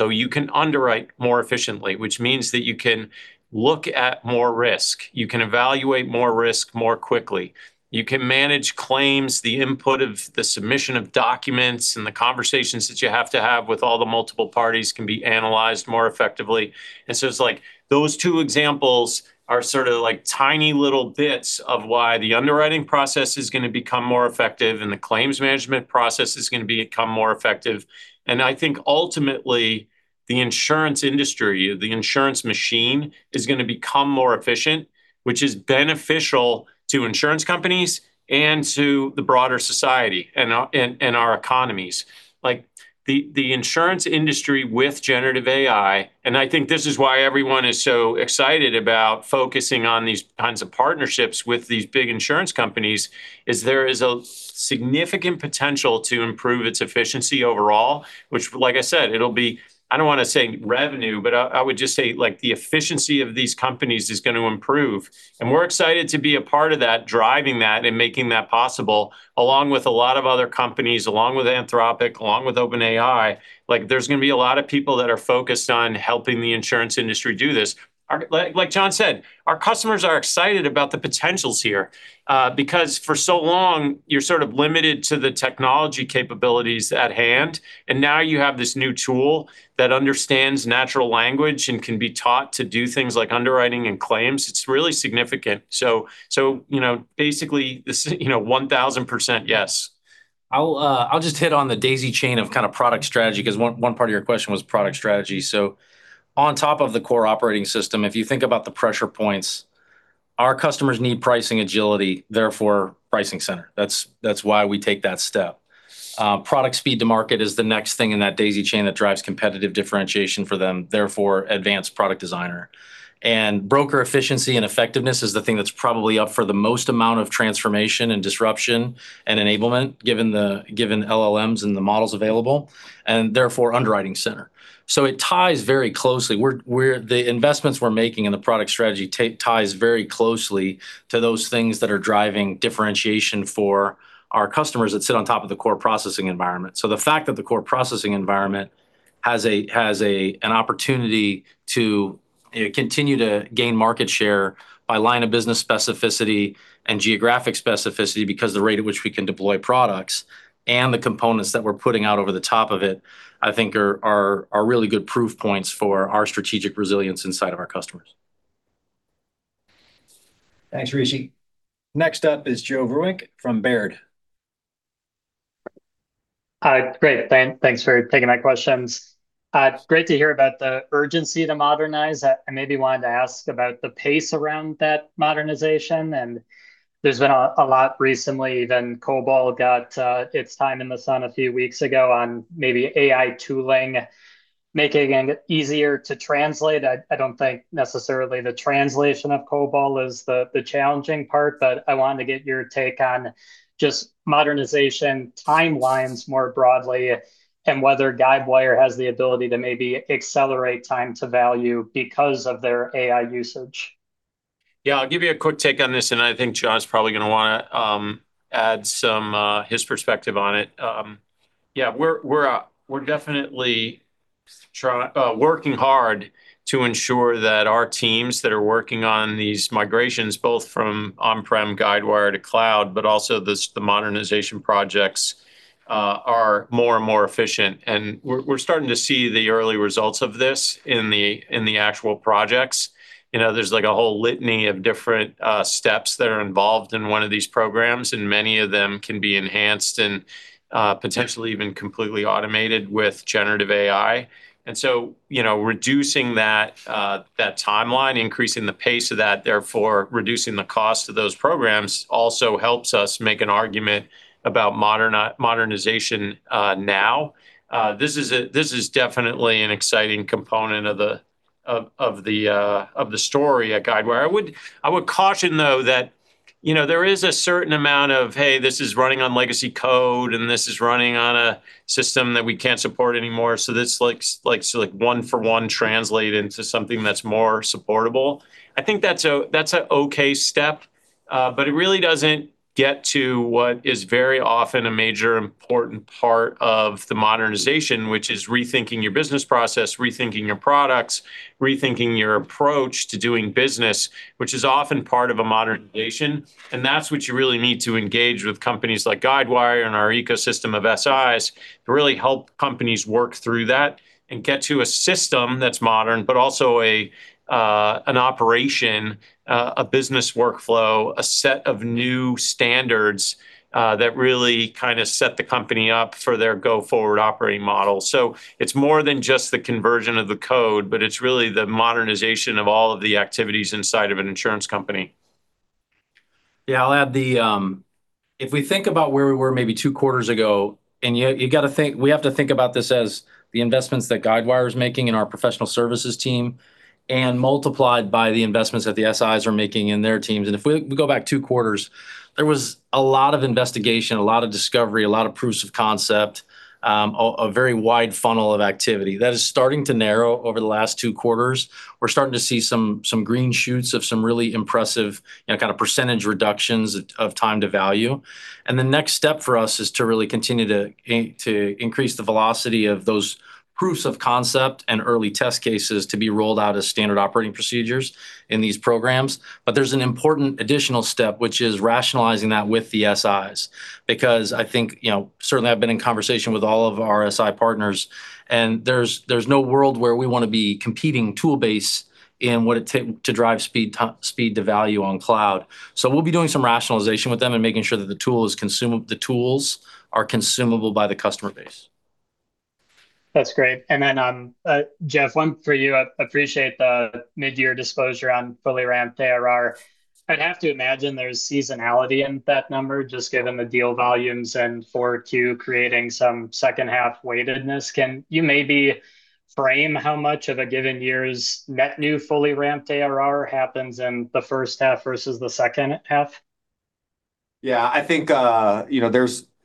You can underwrite more efficiently, which means that you can look at more risk. You can evaluate more risk more quickly. You can manage claims, the input of the submission of documents, and the conversations that you have to have with all the multiple parties can be analyzed more effectively. It's like those two examples are sort of like tiny little bits of why the underwriting process is gonna become more effective and the claims management process is gonna become more effective. I think ultimately the insurance industry, the insurance machine, is gonna become more efficient, which is beneficial to insurance companies and to the broader society and our economies. Like the insurance industry with generative AI, and I think this is why everyone is so excited about focusing on these kinds of partnerships with these big insurance companies, is there is a significant potential to improve its efficiency overall, which like I said, it'll be. I don't wanna say revenue, but I would just say like the efficiency of these companies is gonna improve, and we're excited to be a part of that, driving that and making that possible, along with a lot of other companies, along with Anthropic, along with OpenAI. Like there's gonna be a lot of people that are focused on helping the insurance industry do this. Like John said, our customers are excited about the potentials here, because for so long, you're sort of limited to the technology capabilities at hand, and now you have this new tool that understands natural language and can be taught to do things like underwriting and claims. It's really significant. You know, basically this, you know, 1,000% yes. I'll just hit on the daisy chain of kinda product strategy, 'cause one part of your question was product strategy. On top of the core operating system, if you think about the pressure points, our customers need pricing agility, therefore PricingCenter. That's why we take that step. Product speed to market is the next thing in that daisy chain that drives competitive differentiation for them, therefore Advanced Product Designer. Broker efficiency and effectiveness is the thing that's probably up for the most amount of transformation and disruption and enablement given LLMs and the models available, therefore Underwriting Center. It ties very closely. The investments we're making in the product strategy ties very closely to those things that are driving differentiation for our customers that sit on top of the core processing environment. The fact that the core processing environment has an opportunity to, you know, continue to gain market share by line of business specificity and geographic specificity because the rate at which we can deploy products and the components that we're putting out over the top of it, I think are really good proof points for our strategic resilience inside of our customers. Thanks, Rishi. Next up is Joe Vruwink from Baird. Hi. Great. Thanks for taking my questions. It's great to hear about the urgency to modernize. There's been a lot recently. COBOL got its time in the sun a few weeks ago on maybe AI tooling, making it easier to translate. I don't think necessarily the translation of COBOL is the challenging part. I wanted to get your take on just modernization timelines more broadly and whether Guidewire has the ability to maybe accelerate time to value because of their AI usage. Yeah, I'll give you a quick take on this, and I think John's probably gonna wanna add some his perspective on it. Yeah, we're working hard to ensure that our teams that are working on these migrations, both from on-prem Guidewire to cloud, but also this, the modernization projects, are more and more efficient. We're, we're starting to see the early results of this in the, in the actual projects. You know, there's like a whole litany of different steps that are involved in one of these programs, many of them can be enhanced and potentially even completely automated with generative AI. You know, reducing that that timeline, increasing the pace of that, therefore reducing the cost of those programs also helps us make an argument about modernization now. This is definitely an exciting component of the story at Guidewire. I would caution though that, you know, there is a certain amount of, Hey, this is running on legacy code and this is running on a system that we can't support anymore, so this like one for one translate into something that's more supportable. I think that's an okay step, but it really doesn't get to what is very often a major important part of the modernization, which is rethinking your business process, rethinking your products, rethinking your approach to doing business, which is often part of a modernization. That's what you really need to engage with companies like Guidewire and our ecosystem of SIs to really help companies work through that and get to a system that's modern, but also a an operation, a business workflow, a set of new standards that really kind of set the company up for their go-forward operating model. It's more than just the conversion of the code, but it's really the modernization of all of the activities inside of an insurance company. Yeah, I'll add the, if we think about where we were maybe 2 quarters ago, we have to think about this as the investments that Guidewire is making in our professional services team and multiplied by the investments that the SIs are making in their teams. If we go back 2 quarters, there was a lot of investigation, a lot of discovery, a lot of proofs of concept, a very wide funnel of activity. That is starting to narrow over the last 2 quarters. We're starting to see some green shoots of some really impressive, you know, kind of percentage reductions of time to value. The next step for us is to really continue to increase the velocity of those proofs of concept and early test cases to be rolled out as standard operating procedures in these programs. There's an important additional step, which is rationalizing that with the SIs because I think, you know, certainly I've been in conversation with all of our SI partners, and there's no world where we wanna be competing tool base in what it take to drive speed to value on cloud. We'll be doing some rationalization with them and making sure that the tools are consumable by the customer base. That's great. Then, Jeff, one for you. I appreciate the mid-year disclosure on fully ramped ARR. I'd have to imagine there's seasonality in that number, just given the deal volumes and 4Q creating some second half weightedness. Can you maybe frame how much of a given year's net new fully ramped ARR happens in the first half versus the second half? Yeah. I think, you know,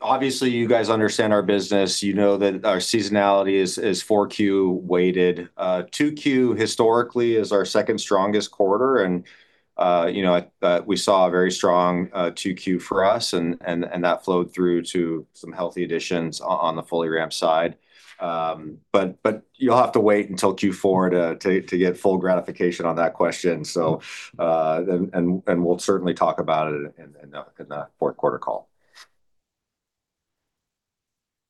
obviously you guys understand our business. You know that our seasonality is 4Q weighted. 2Q historically is our second strongest quarter and, you know, we saw a very strong 2Q for us and that flowed through to some healthy additions on the fully ramped side. You'll have to wait until Q4 to get full gratification on that question. We'll certainly talk about it in the fourth quarter call.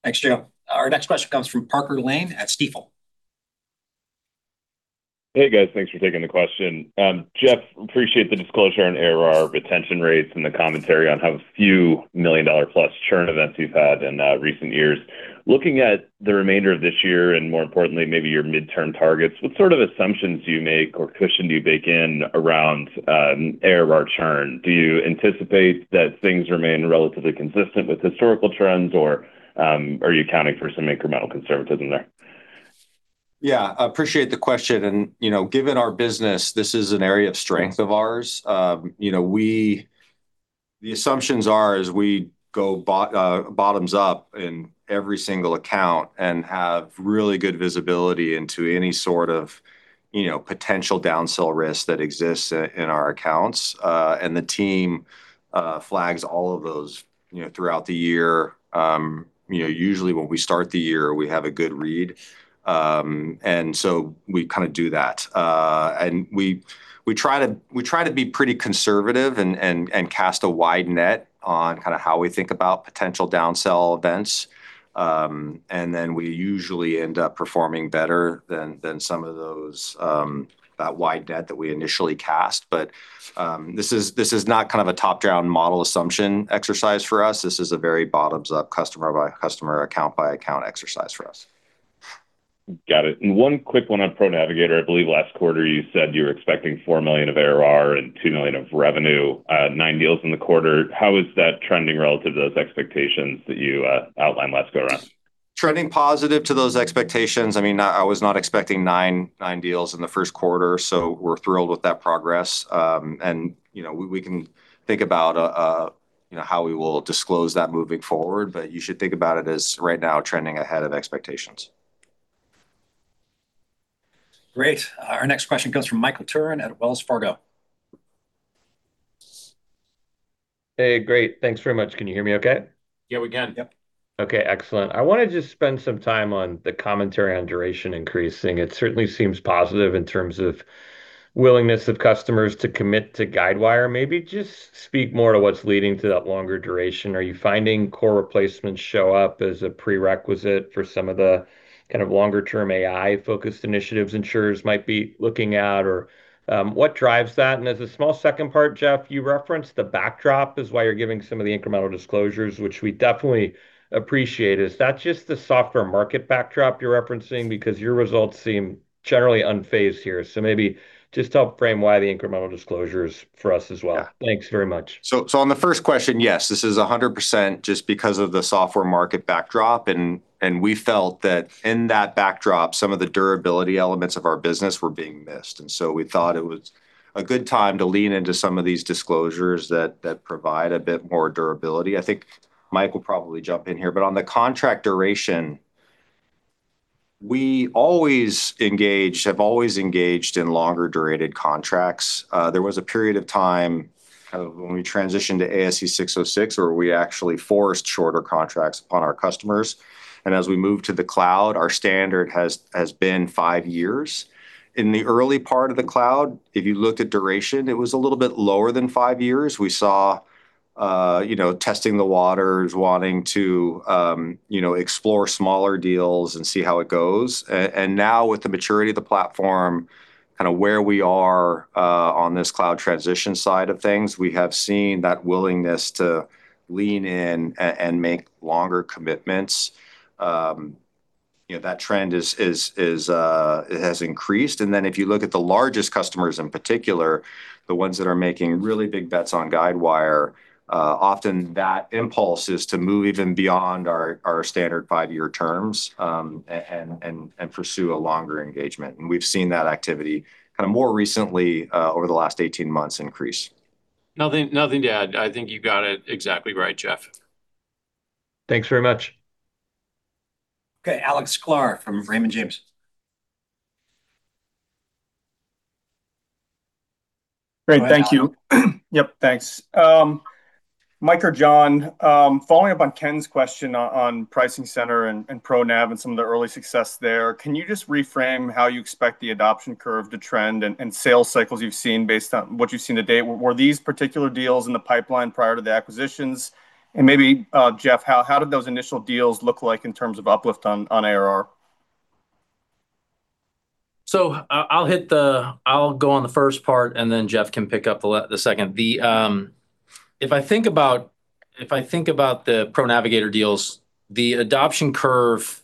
Thanks, Jeff. Our next question comes from Parker Lane at Stifel. Hey, guys. Thanks for taking the question. Jeff, appreciate the disclosure on ARR retention rates and the commentary on how few million-dollar-plus churn events you've had in recent years. Looking at the remainder of this year, and more importantly, maybe your midterm targets, what sort of assumptions do you make or cushion do you bake in around ARR churn? Do you anticipate that things remain relatively consistent with historical trends or are you accounting for some incremental conservatism there? Yeah, appreciate the question. You know, given our business, this is an area of strength of ours. You know, the assumptions are is we go bottoms up in every single account and have really good visibility into any sort of, you know, potential downsell risk that exists in our accounts. The team flags all of those, you know, throughout the year. You know, usually when we start the year, we have a good read. We kind of do that. We try to be pretty conservative and cast a wide net on kind of how we think about potential downsell events. We usually end up performing better than some of those that wide net that we initially cast. This is not kind of a top-down model assumption exercise for us. This is a very bottoms-up customer-by-customer, account-by-account exercise for us. Got it. One quick one on ProNavigator. I believe last quarter you said you were expecting $4 million of ARR and $2 million of revenue, nine deals in the quarter. How is that trending relative to those expectations that you outlined last go around? Trending positive to those expectations. I mean, I was not expecting 9 deals in the first quarter. We're thrilled with that progress. You know, we can think about, you know, how we will disclose that moving forward. You should think about it as right now trending ahead of expectations. Great. Our next question comes from Michael Turrin at Wells Fargo. Hey, great. Thanks very much. Can you hear me okay? Yeah, we can. Yep. Okay, excellent. I wanna just spend some time on the commentary on duration increasing. It certainly seems positive in terms of willingness of customers to commit to Guidewire. Maybe just speak more to what's leading to that longer duration. Are you finding core replacements show up as a prerequisite for some of the kind of longer-term AI-focused initiatives insurers might be looking at, or, what drives that? As a small second part, Jeff, you referenced the backdrop is why you're giving some of the incremental disclosures, which we definitely appreciate. Is that just the software market backdrop you're referencing? Your results seem generally unfazed here. Maybe just help frame why the incremental disclosures for us as well. Thanks very much. On the first question, yes, this is 100% just because of the software market backdrop, and we felt that in that backdrop, some of the durability elements of our business were being missed. We thought it was a good time to lean into some of these disclosures that provide a bit more durability. I think Mike will probably jump in here, but on the contract duration, we have always engaged in longer-durated contracts. There was a period of time when we transitioned to ASC 606, where we actually forced shorter contracts upon our customers. As we moved to the cloud, our standard has been five years. In the early part of the cloud, if you looked at duration, it was a little bit lower than five years. We saw, you know, testing the waters, wanting to, you know, explore smaller deals and see how it goes. Now with the maturity of the platform, kinda where we are, on this cloud transition side of things, we have seen that willingness to lean in and make longer commitments. You know, that trend is, it has increased. If you look at the largest customers in particular, the ones that are making really big bets on Guidewire, often that impulse is to move even beyond our standard 5-year terms, and pursue a longer engagement. We've seen that activity kinda more recently, over the last 18 months increase. Nothing to add. I think you got it exactly right, Jeff. Thanks very much. Okay, Alex Sklar from Raymond James. Great. Thank you. Yep, thanks. Mike or John, following up on Ken's question on PricingCenter and ProNav and some of the early success there, can you just reframe how you expect the adoption curve to trend and sales cycles you've seen based on what you've seen to date? Were these particular deals in the pipeline prior to the acquisitions? Maybe, Jeff, how did those initial deals look like in terms of uplift on ARR? I'll go on the first part, and then Jeff can pick up the second. If I think about the ProNavigator deals, the adoption curve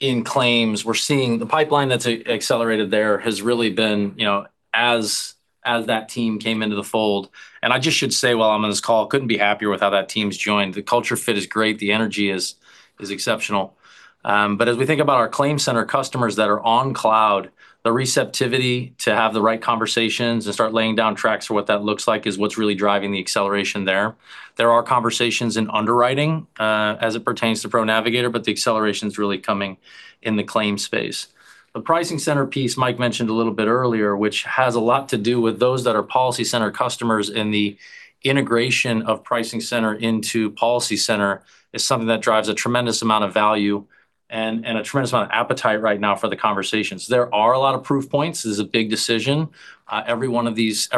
in claims, we're seeing the pipeline that's accelerated there has really been, you know, as that team came into the fold. I just should say while I'm on this call, couldn't be happier with how that team's joined. The culture fit is great. The energy is exceptional. As we think about our ClaimCenter customers that are on cloud, the receptivity to have the right conversations and start laying down tracks for what that looks like is what's really driving the acceleration there. There are conversations in underwriting as it pertains to ProNavigator, but the acceleration's really coming in the claims space. The PricingCenter piece Mike mentioned a little bit earlier, which has a lot to do with those that are PolicyCenter customers, and the integration of PricingCenter into PolicyCenter is something that drives a tremendous amount of value and a tremendous amount of appetite right now for the conversations. There are a lot of proof points. This is a big decision. Every one of these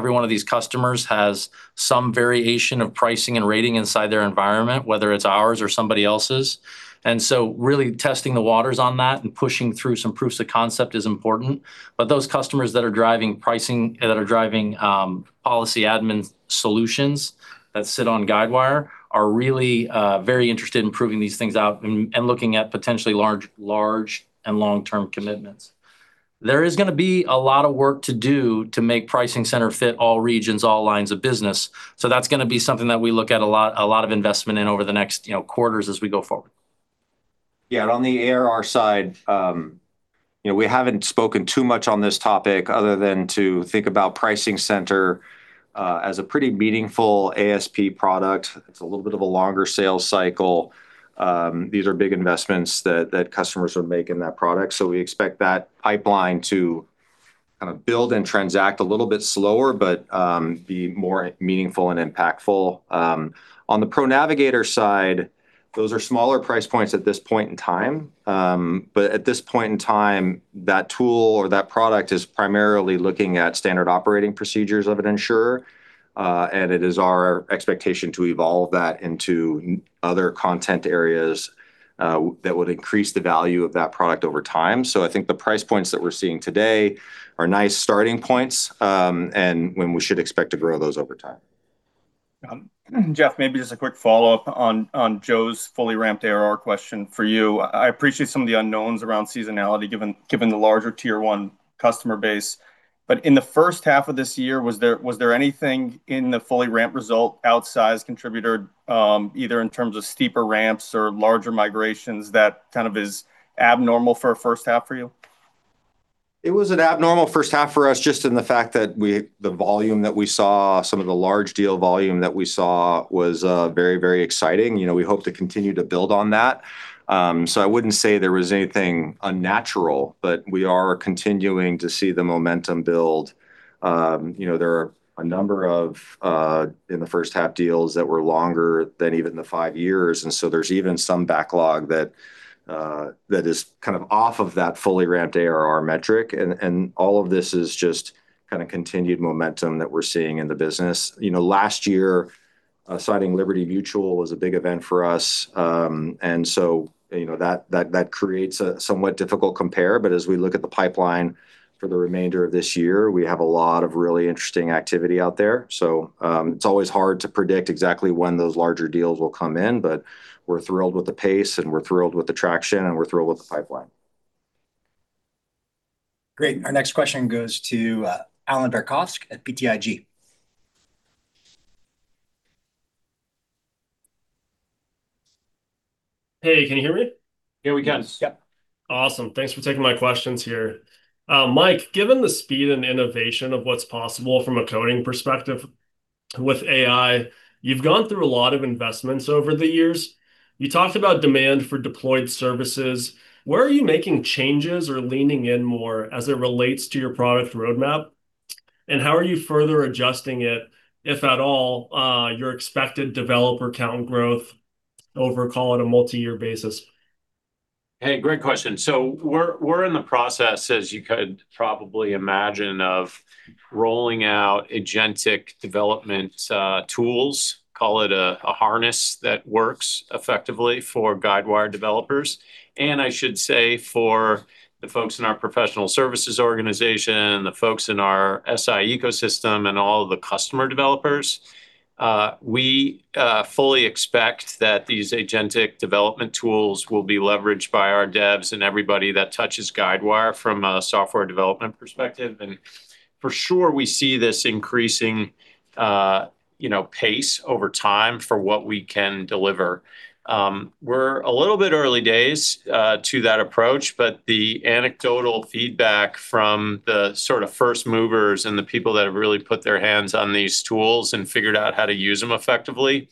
customers has some variation of pricing and rating inside their environment, whether it's ours or somebody else's. Really testing the waters on that and pushing through some proofs of concept is important. Those customers that are driving pricing, that are driving policy admin solutions that sit on Guidewire are really very interested in proving these things out and looking at potentially large and long-term commitments. There is gonna be a lot of work to do to make PricingCenter fit all regions, all lines of business, so that's gonna be something that we look at a lot, a lot of investment in over the next, you know, quarters as we go forward. Yeah, on the ARR side, you know, we haven't spoken too much on this topic other than to think about PricingCenter as a pretty meaningful ASP product. It's a little bit of a longer sales cycle. These are big investments that customers would make in that product. we expect that pipeline to kinda build and transact a little bit slower but be more meaningful and impactful. On the ProNavigator side, those are smaller price points at this point in time. at this point in time, that tool or that product is primarily looking at standard operating procedures of an insurer. it is our expectation to evolve that into other content areas that would increase the value of that product over time. I think the price points that we're seeing today are nice starting points, and when we should expect to grow those over time. Jeff, maybe just a quick follow-up on Joe's fully ramped ARR question for you. I appreciate some of the unknowns around seasonality given the larger tier one customer base. In the first half of this year, was there anything in the fully ramped result outsized contributor, either in terms of steeper ramps or larger migrations that kind of is abnormal for a first half for you? It was an abnormal first half for us just in the fact that the volume that we saw, some of the large deal volume that we saw was very exciting. You know, we hope to continue to build on that. I wouldn't say there was anything unnatural, but we are continuing to see the momentum build. You know, there are a number of in the first half deals that were longer than even the 5 years, there's even some backlog that that is kind of off of that fully ramped ARR metric. All of this is just kind of continued momentum that we're seeing in the business. You know, last year, signing Liberty Mutual was a big event for us, you know, that creates a somewhat difficult compare. As we look at the pipeline for the remainder of this year, we have a lot of really interesting activity out there. It's always hard to predict exactly when those larger deals will come in, but we're thrilled with the pace, and we're thrilled with the traction, and we're thrilled with the pipeline. Great. Our next question goes to Allan Verkhovski at BTIG. Hey, can you hear me? Here we can yep. Awesome. Thanks for taking my questions here. Mike, given the speed and innovation of what's possible from a coding perspective with AI, you've gone through a lot of investments over the years. You talked about demand for deployed services. Where are you making changes or leaning in more as it relates to your product roadmap? How are you further adjusting it, if at all, your expected developer count growth over, call it, a multi-year basis? Hey, great question. We're in the process, as you could probably imagine, of rolling out agentic development tools, call it a harness that works effectively for Guidewire developers. I should say for the folks in our professional services organization, the folks in our SI ecosystem, and all of the customer developers, we fully expect that these agentic development tools will be leveraged by our devs and everybody that touches Guidewire from a software development perspective. For sure, we see this increasing, you know, pace over time for what we can deliver. We're a little bit early days to that approach, but the anecdotal feedback from the sort of first movers and the people that have really put their hands on these tools and figured out how to use them effectively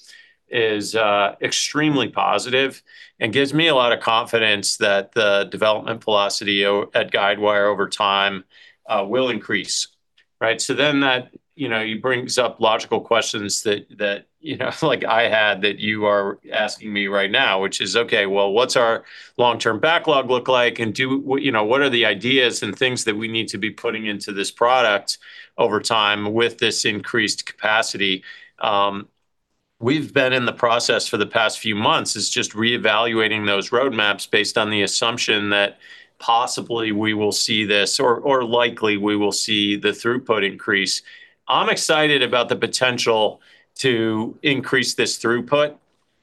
is extremely positive and gives me a lot of confidence that the development velocity at Guidewire over time will increase, right? That, you know, brings up logical questions that, you know, like I had that you are asking me right now, which is, okay, well, what's our long-term backlog look like? And you know, what are the ideas and things that we need to be putting into this product over time with this increased capacity? We've been in the process for the past few months. It's just reevaluating those roadmaps based on the assumption that possibly we will see this or likely we will see the throughput increase. I'm excited about the potential to increase this throughput.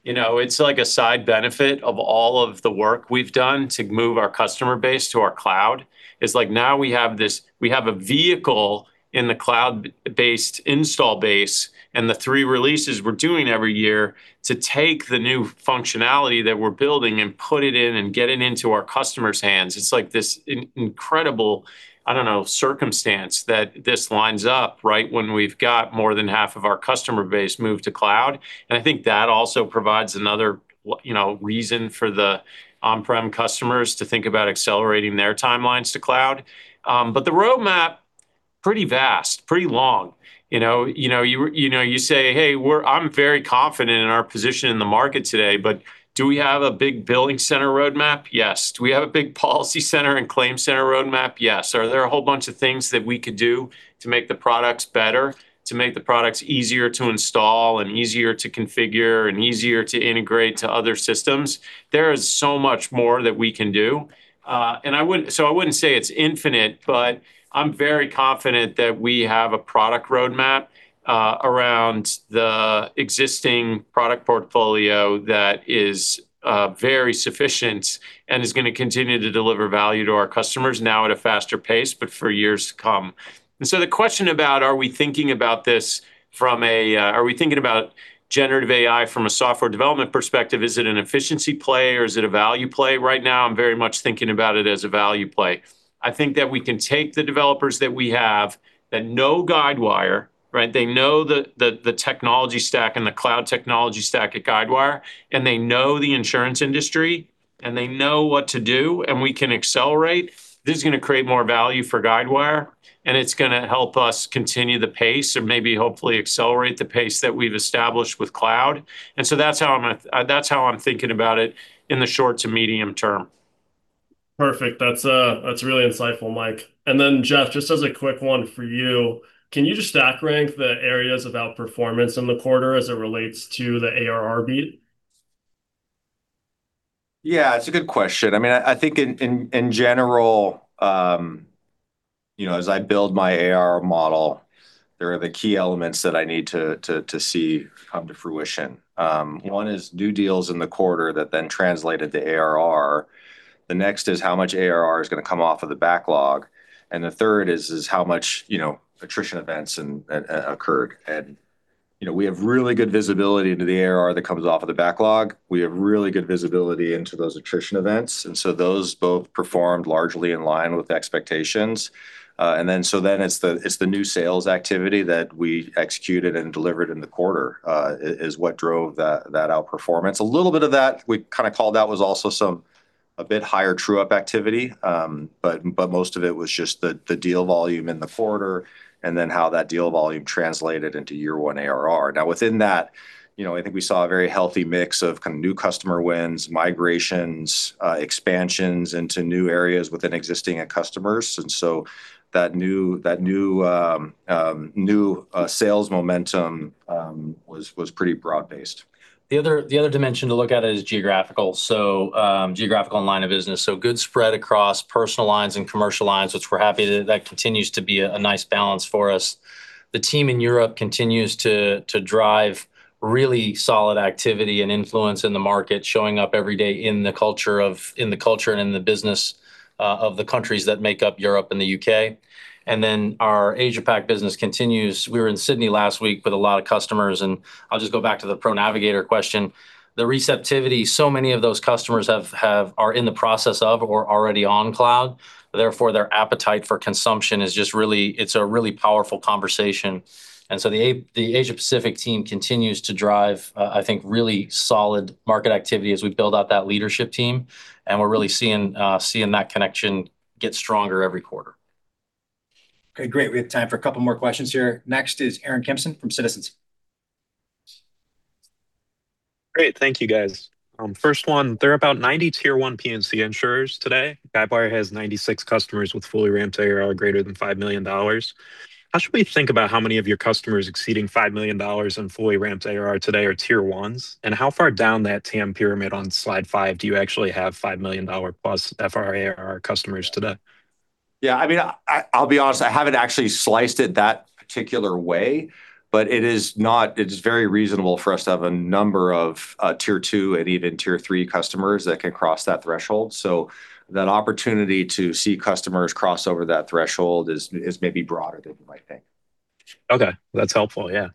You know, it's like a side benefit of all of the work we've done to move our customer base to our cloud. It's like now we have this, we have a vehicle in the cloud-based install base and the three releases we're doing every year to take the new functionality that we're building and put it in and get it into our customers' hands. It's like this incredible, I don't know, circumstance that this lines up right when we've got more than half of our customer base move to cloud. I think that also provides another, you know, reason for the on-prem customers to think about accelerating their timelines to cloud. The roadmap, pretty vast, pretty long. You know you say, hey, I'm very confident in our position in the market today, but do we have a big BillingCenter roadmap? Yes. Do we have a big PolicyCenter and ClaimCenter roadmap? Yes. Are there a whole bunch of things that we could do to make the products better, to make the products easier to install and easier to configure and easier to integrate to other systems? There is so much more that we can do. I wouldn't say it's infinite, but I'm very confident that we have a product roadmap around the existing product portfolio that is very sufficient and is gonna continue to deliver value to our customers now at a faster pace, but for years to come. The question about are we thinking about generative AI from a software development perspective, is it an efficiency play or is it a value play right now? I'm very much thinking about it as a value play. I think that we can take the developers that we have that know Guidewire, right? They know the technology stack and the cloud technology stack at Guidewire, and they know the insurance industry, and they know what to do, and we can accelerate. This is gonna create more value for Guidewire, and it's gonna help us continue the pace or maybe hopefully accelerate the pace that we've established with cloud. That's how I'm thinking about it in the short to medium term. Perfect. That's, that's really insightful, Mike. Jeff, just as a quick one for you. Can you just stack rank the areas of outperformance in the quarter as it relates to the ARR beat? Yeah, it's a good question. I mean, I think in general, you know, as I build my ARR model, there are the key elements that I need to see come to fruition. One is new deals in the quarter that then translate into ARR. The next is how much ARR is gonna come off of the backlog. The third is how much, you know, attrition events occur and. You know, we have really good visibility into the ARR that comes off of the backlog. We have really good visibility into those attrition events. Those both performed largely in line with the expectations. It's the new sales activity that we executed and delivered in the quarter is what drove that outperformance. A little bit of that we kind of called that was also some a bit higher true-up activity. But most of it was just the deal volume in the quarter and how that deal volume translated into year one ARR. Within that, you know, I think we saw a very healthy mix of kind of new customer wins, migrations, expansions into new areas within existing customers. That new new sales momentum was pretty broad-based. The other dimension to look at is geographical. Geographical and line of business. Good spread across personal lines and commercial lines, which we're happy that continues to be a nice balance for us. The team in Europe continues to drive really solid activity and influence in the market, showing up every day in the culture and in the business of the countries that make up Europe and the U.K. Our Asia Pac business continues. We were in Sydney last week with a lot of customers, and I'll just go back to the ProNavigator question. The receptivity so many of those customers are in the process of or already on cloud, therefore their appetite for consumption is just really it's a really powerful conversation. The Asia-Pacific team continues to drive, I think, really solid market activity as we build out that leadership team, and we're really seeing that connection get stronger every quarter. Okay, great. We have time for a couple more questions here. Next is Aaron Kimson from Citizens. Great. Thank you, guys. First one, there are about 90 Tier One P&C insurers today. Guidewire has 96 customers with fully ramped ARR greater than $5 million. How should we think about how many of your customers exceeding $5 million in fully ramped ARR today are Tier Ones? How far down that TAM pyramid on slide five do you actually have $5 million plus FRA ARR customers today? I mean, I'll be honest, I haven't actually sliced it that particular way, but it's very reasonable for us to have a number of Tier Two and even Tier Three customers that can cross that threshold. That opportunity to see customers cross over that threshold is maybe broader than you might think. Okay. That's helpful, yeah.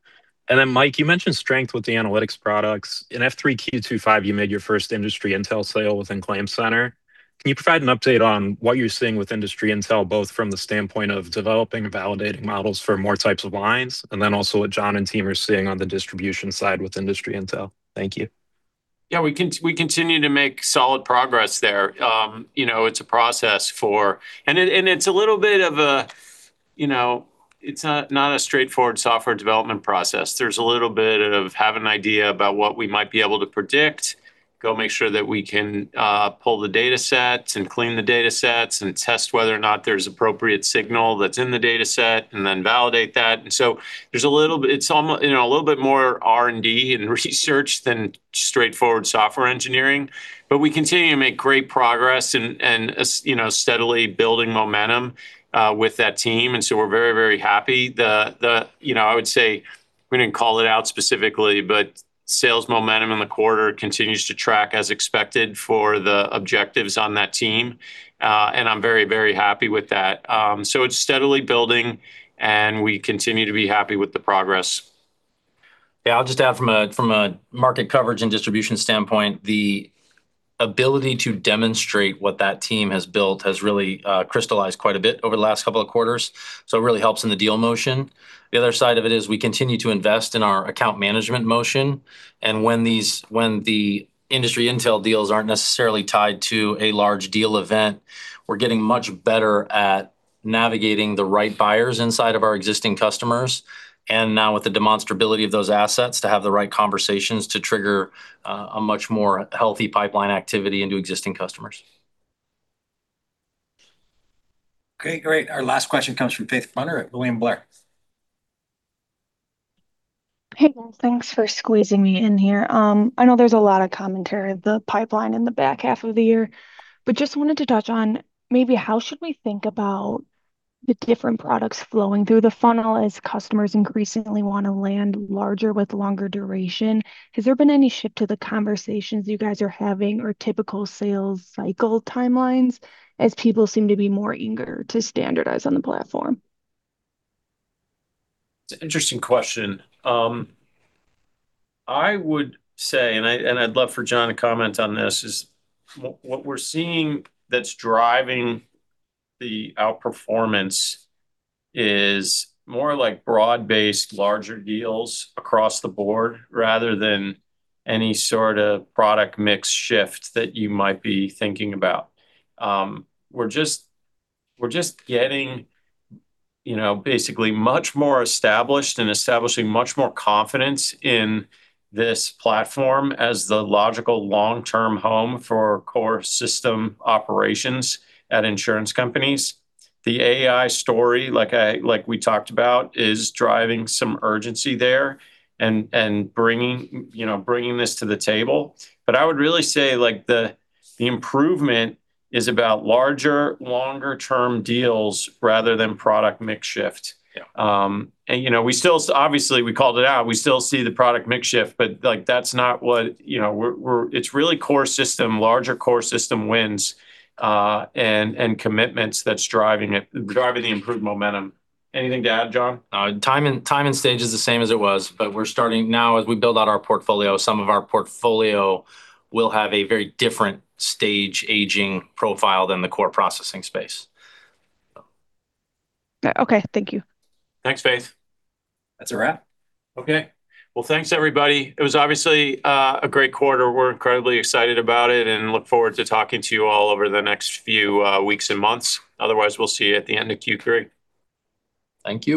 Then Mike, you mentioned strength with the analytics products. In F3 Q25, you made your first Industry Intel sale within ClaimCenter. Can you provide an update on what you're seeing with Industry Intel, both from the standpoint of developing and validating models for more types of lines, and then also what John and team are seeing on the distribution side with Industry Intel? Thank you. Yeah, we continue to make solid progress there. You know, it's a process for. It's a little bit of a, you know, not a straightforward software development process. There's a little bit of have an idea about what we might be able to predict, go make sure that we can pull the datasets and clean the datasets and test whether or not there's appropriate signal that's in the dataset, and then validate that. There's a little bit. You know, a little bit more R&D and research than straightforward software engineering. We continue to make great progress and as, you know, steadily building momentum with that team. We're very, very happy. The. You know, I would say we didn't call it out specifically, but sales momentum in the quarter continues to track as expected for the objectives on that team. I'm very, very happy with that. It's steadily building, and we continue to be happy with the progress. Yeah, I'll just add from a market coverage and distribution standpoint, the ability to demonstrate what that team has built has really crystallized quite a bit over the last couple of quarters. It really helps in the deal motion. The other side of it is we continue to invest in our account management motion. When the Industry Intel deals aren't necessarily tied to a large deal event, we're getting much better at navigating the right buyers inside of our existing customers. Now with the demonstrability of those assets to have the right conversations to trigger a much more healthy pipeline activity into existing customers. Okay, great. Our last question comes from Faith Brunner at William Blair. Hey, thanks for squeezing me in here. I know there's a lot of commentary of the pipeline in the back half of the year, but just wanted to touch on maybe how should we think about the different products flowing through the funnel as customers increasingly wanna land larger with longer duration. Has there been any shift to the conversations you guys are having or typical sales cycle timelines, as people seem to be more eager to standardize on the platform? It's an interesting question. I would say, and I, and I'd love for John to comment on this, is what we're seeing that's driving the outperformance is more like broad-based larger deals across the board rather than any sort of product mix shift that you might be thinking about. We're just getting, you know, basically much more established and establishing much more confidence in this platform as the logical long-term home for core system operations at insurance companies. The AI story, like we talked about, is driving some urgency there and bringing, you know, bringing this to the table. I would really say, like, the improvement is about larger, longer term deals rather than product mix shift. Yeah. You know, we still obviously, we called it out, we still see the product mix shift, but, like, that's not what, you know, It's really core system, larger core system wins, and commitments that's driving the improved momentum. Anything to add, John? Time and stage is the same as it was, but we're starting now as we build out our portfolio, some of our portfolio will have a very different stage aging profile than the core processing space. Okay. Thank you. Thanks, Faith. That's a wrap. Okay. Well, thanks, everybody. It was obviously, a great quarter. We're incredibly excited about it and look forward to talking to you all over the next few weeks and months. Otherwise, we'll see you at the end of Q3. Thank you.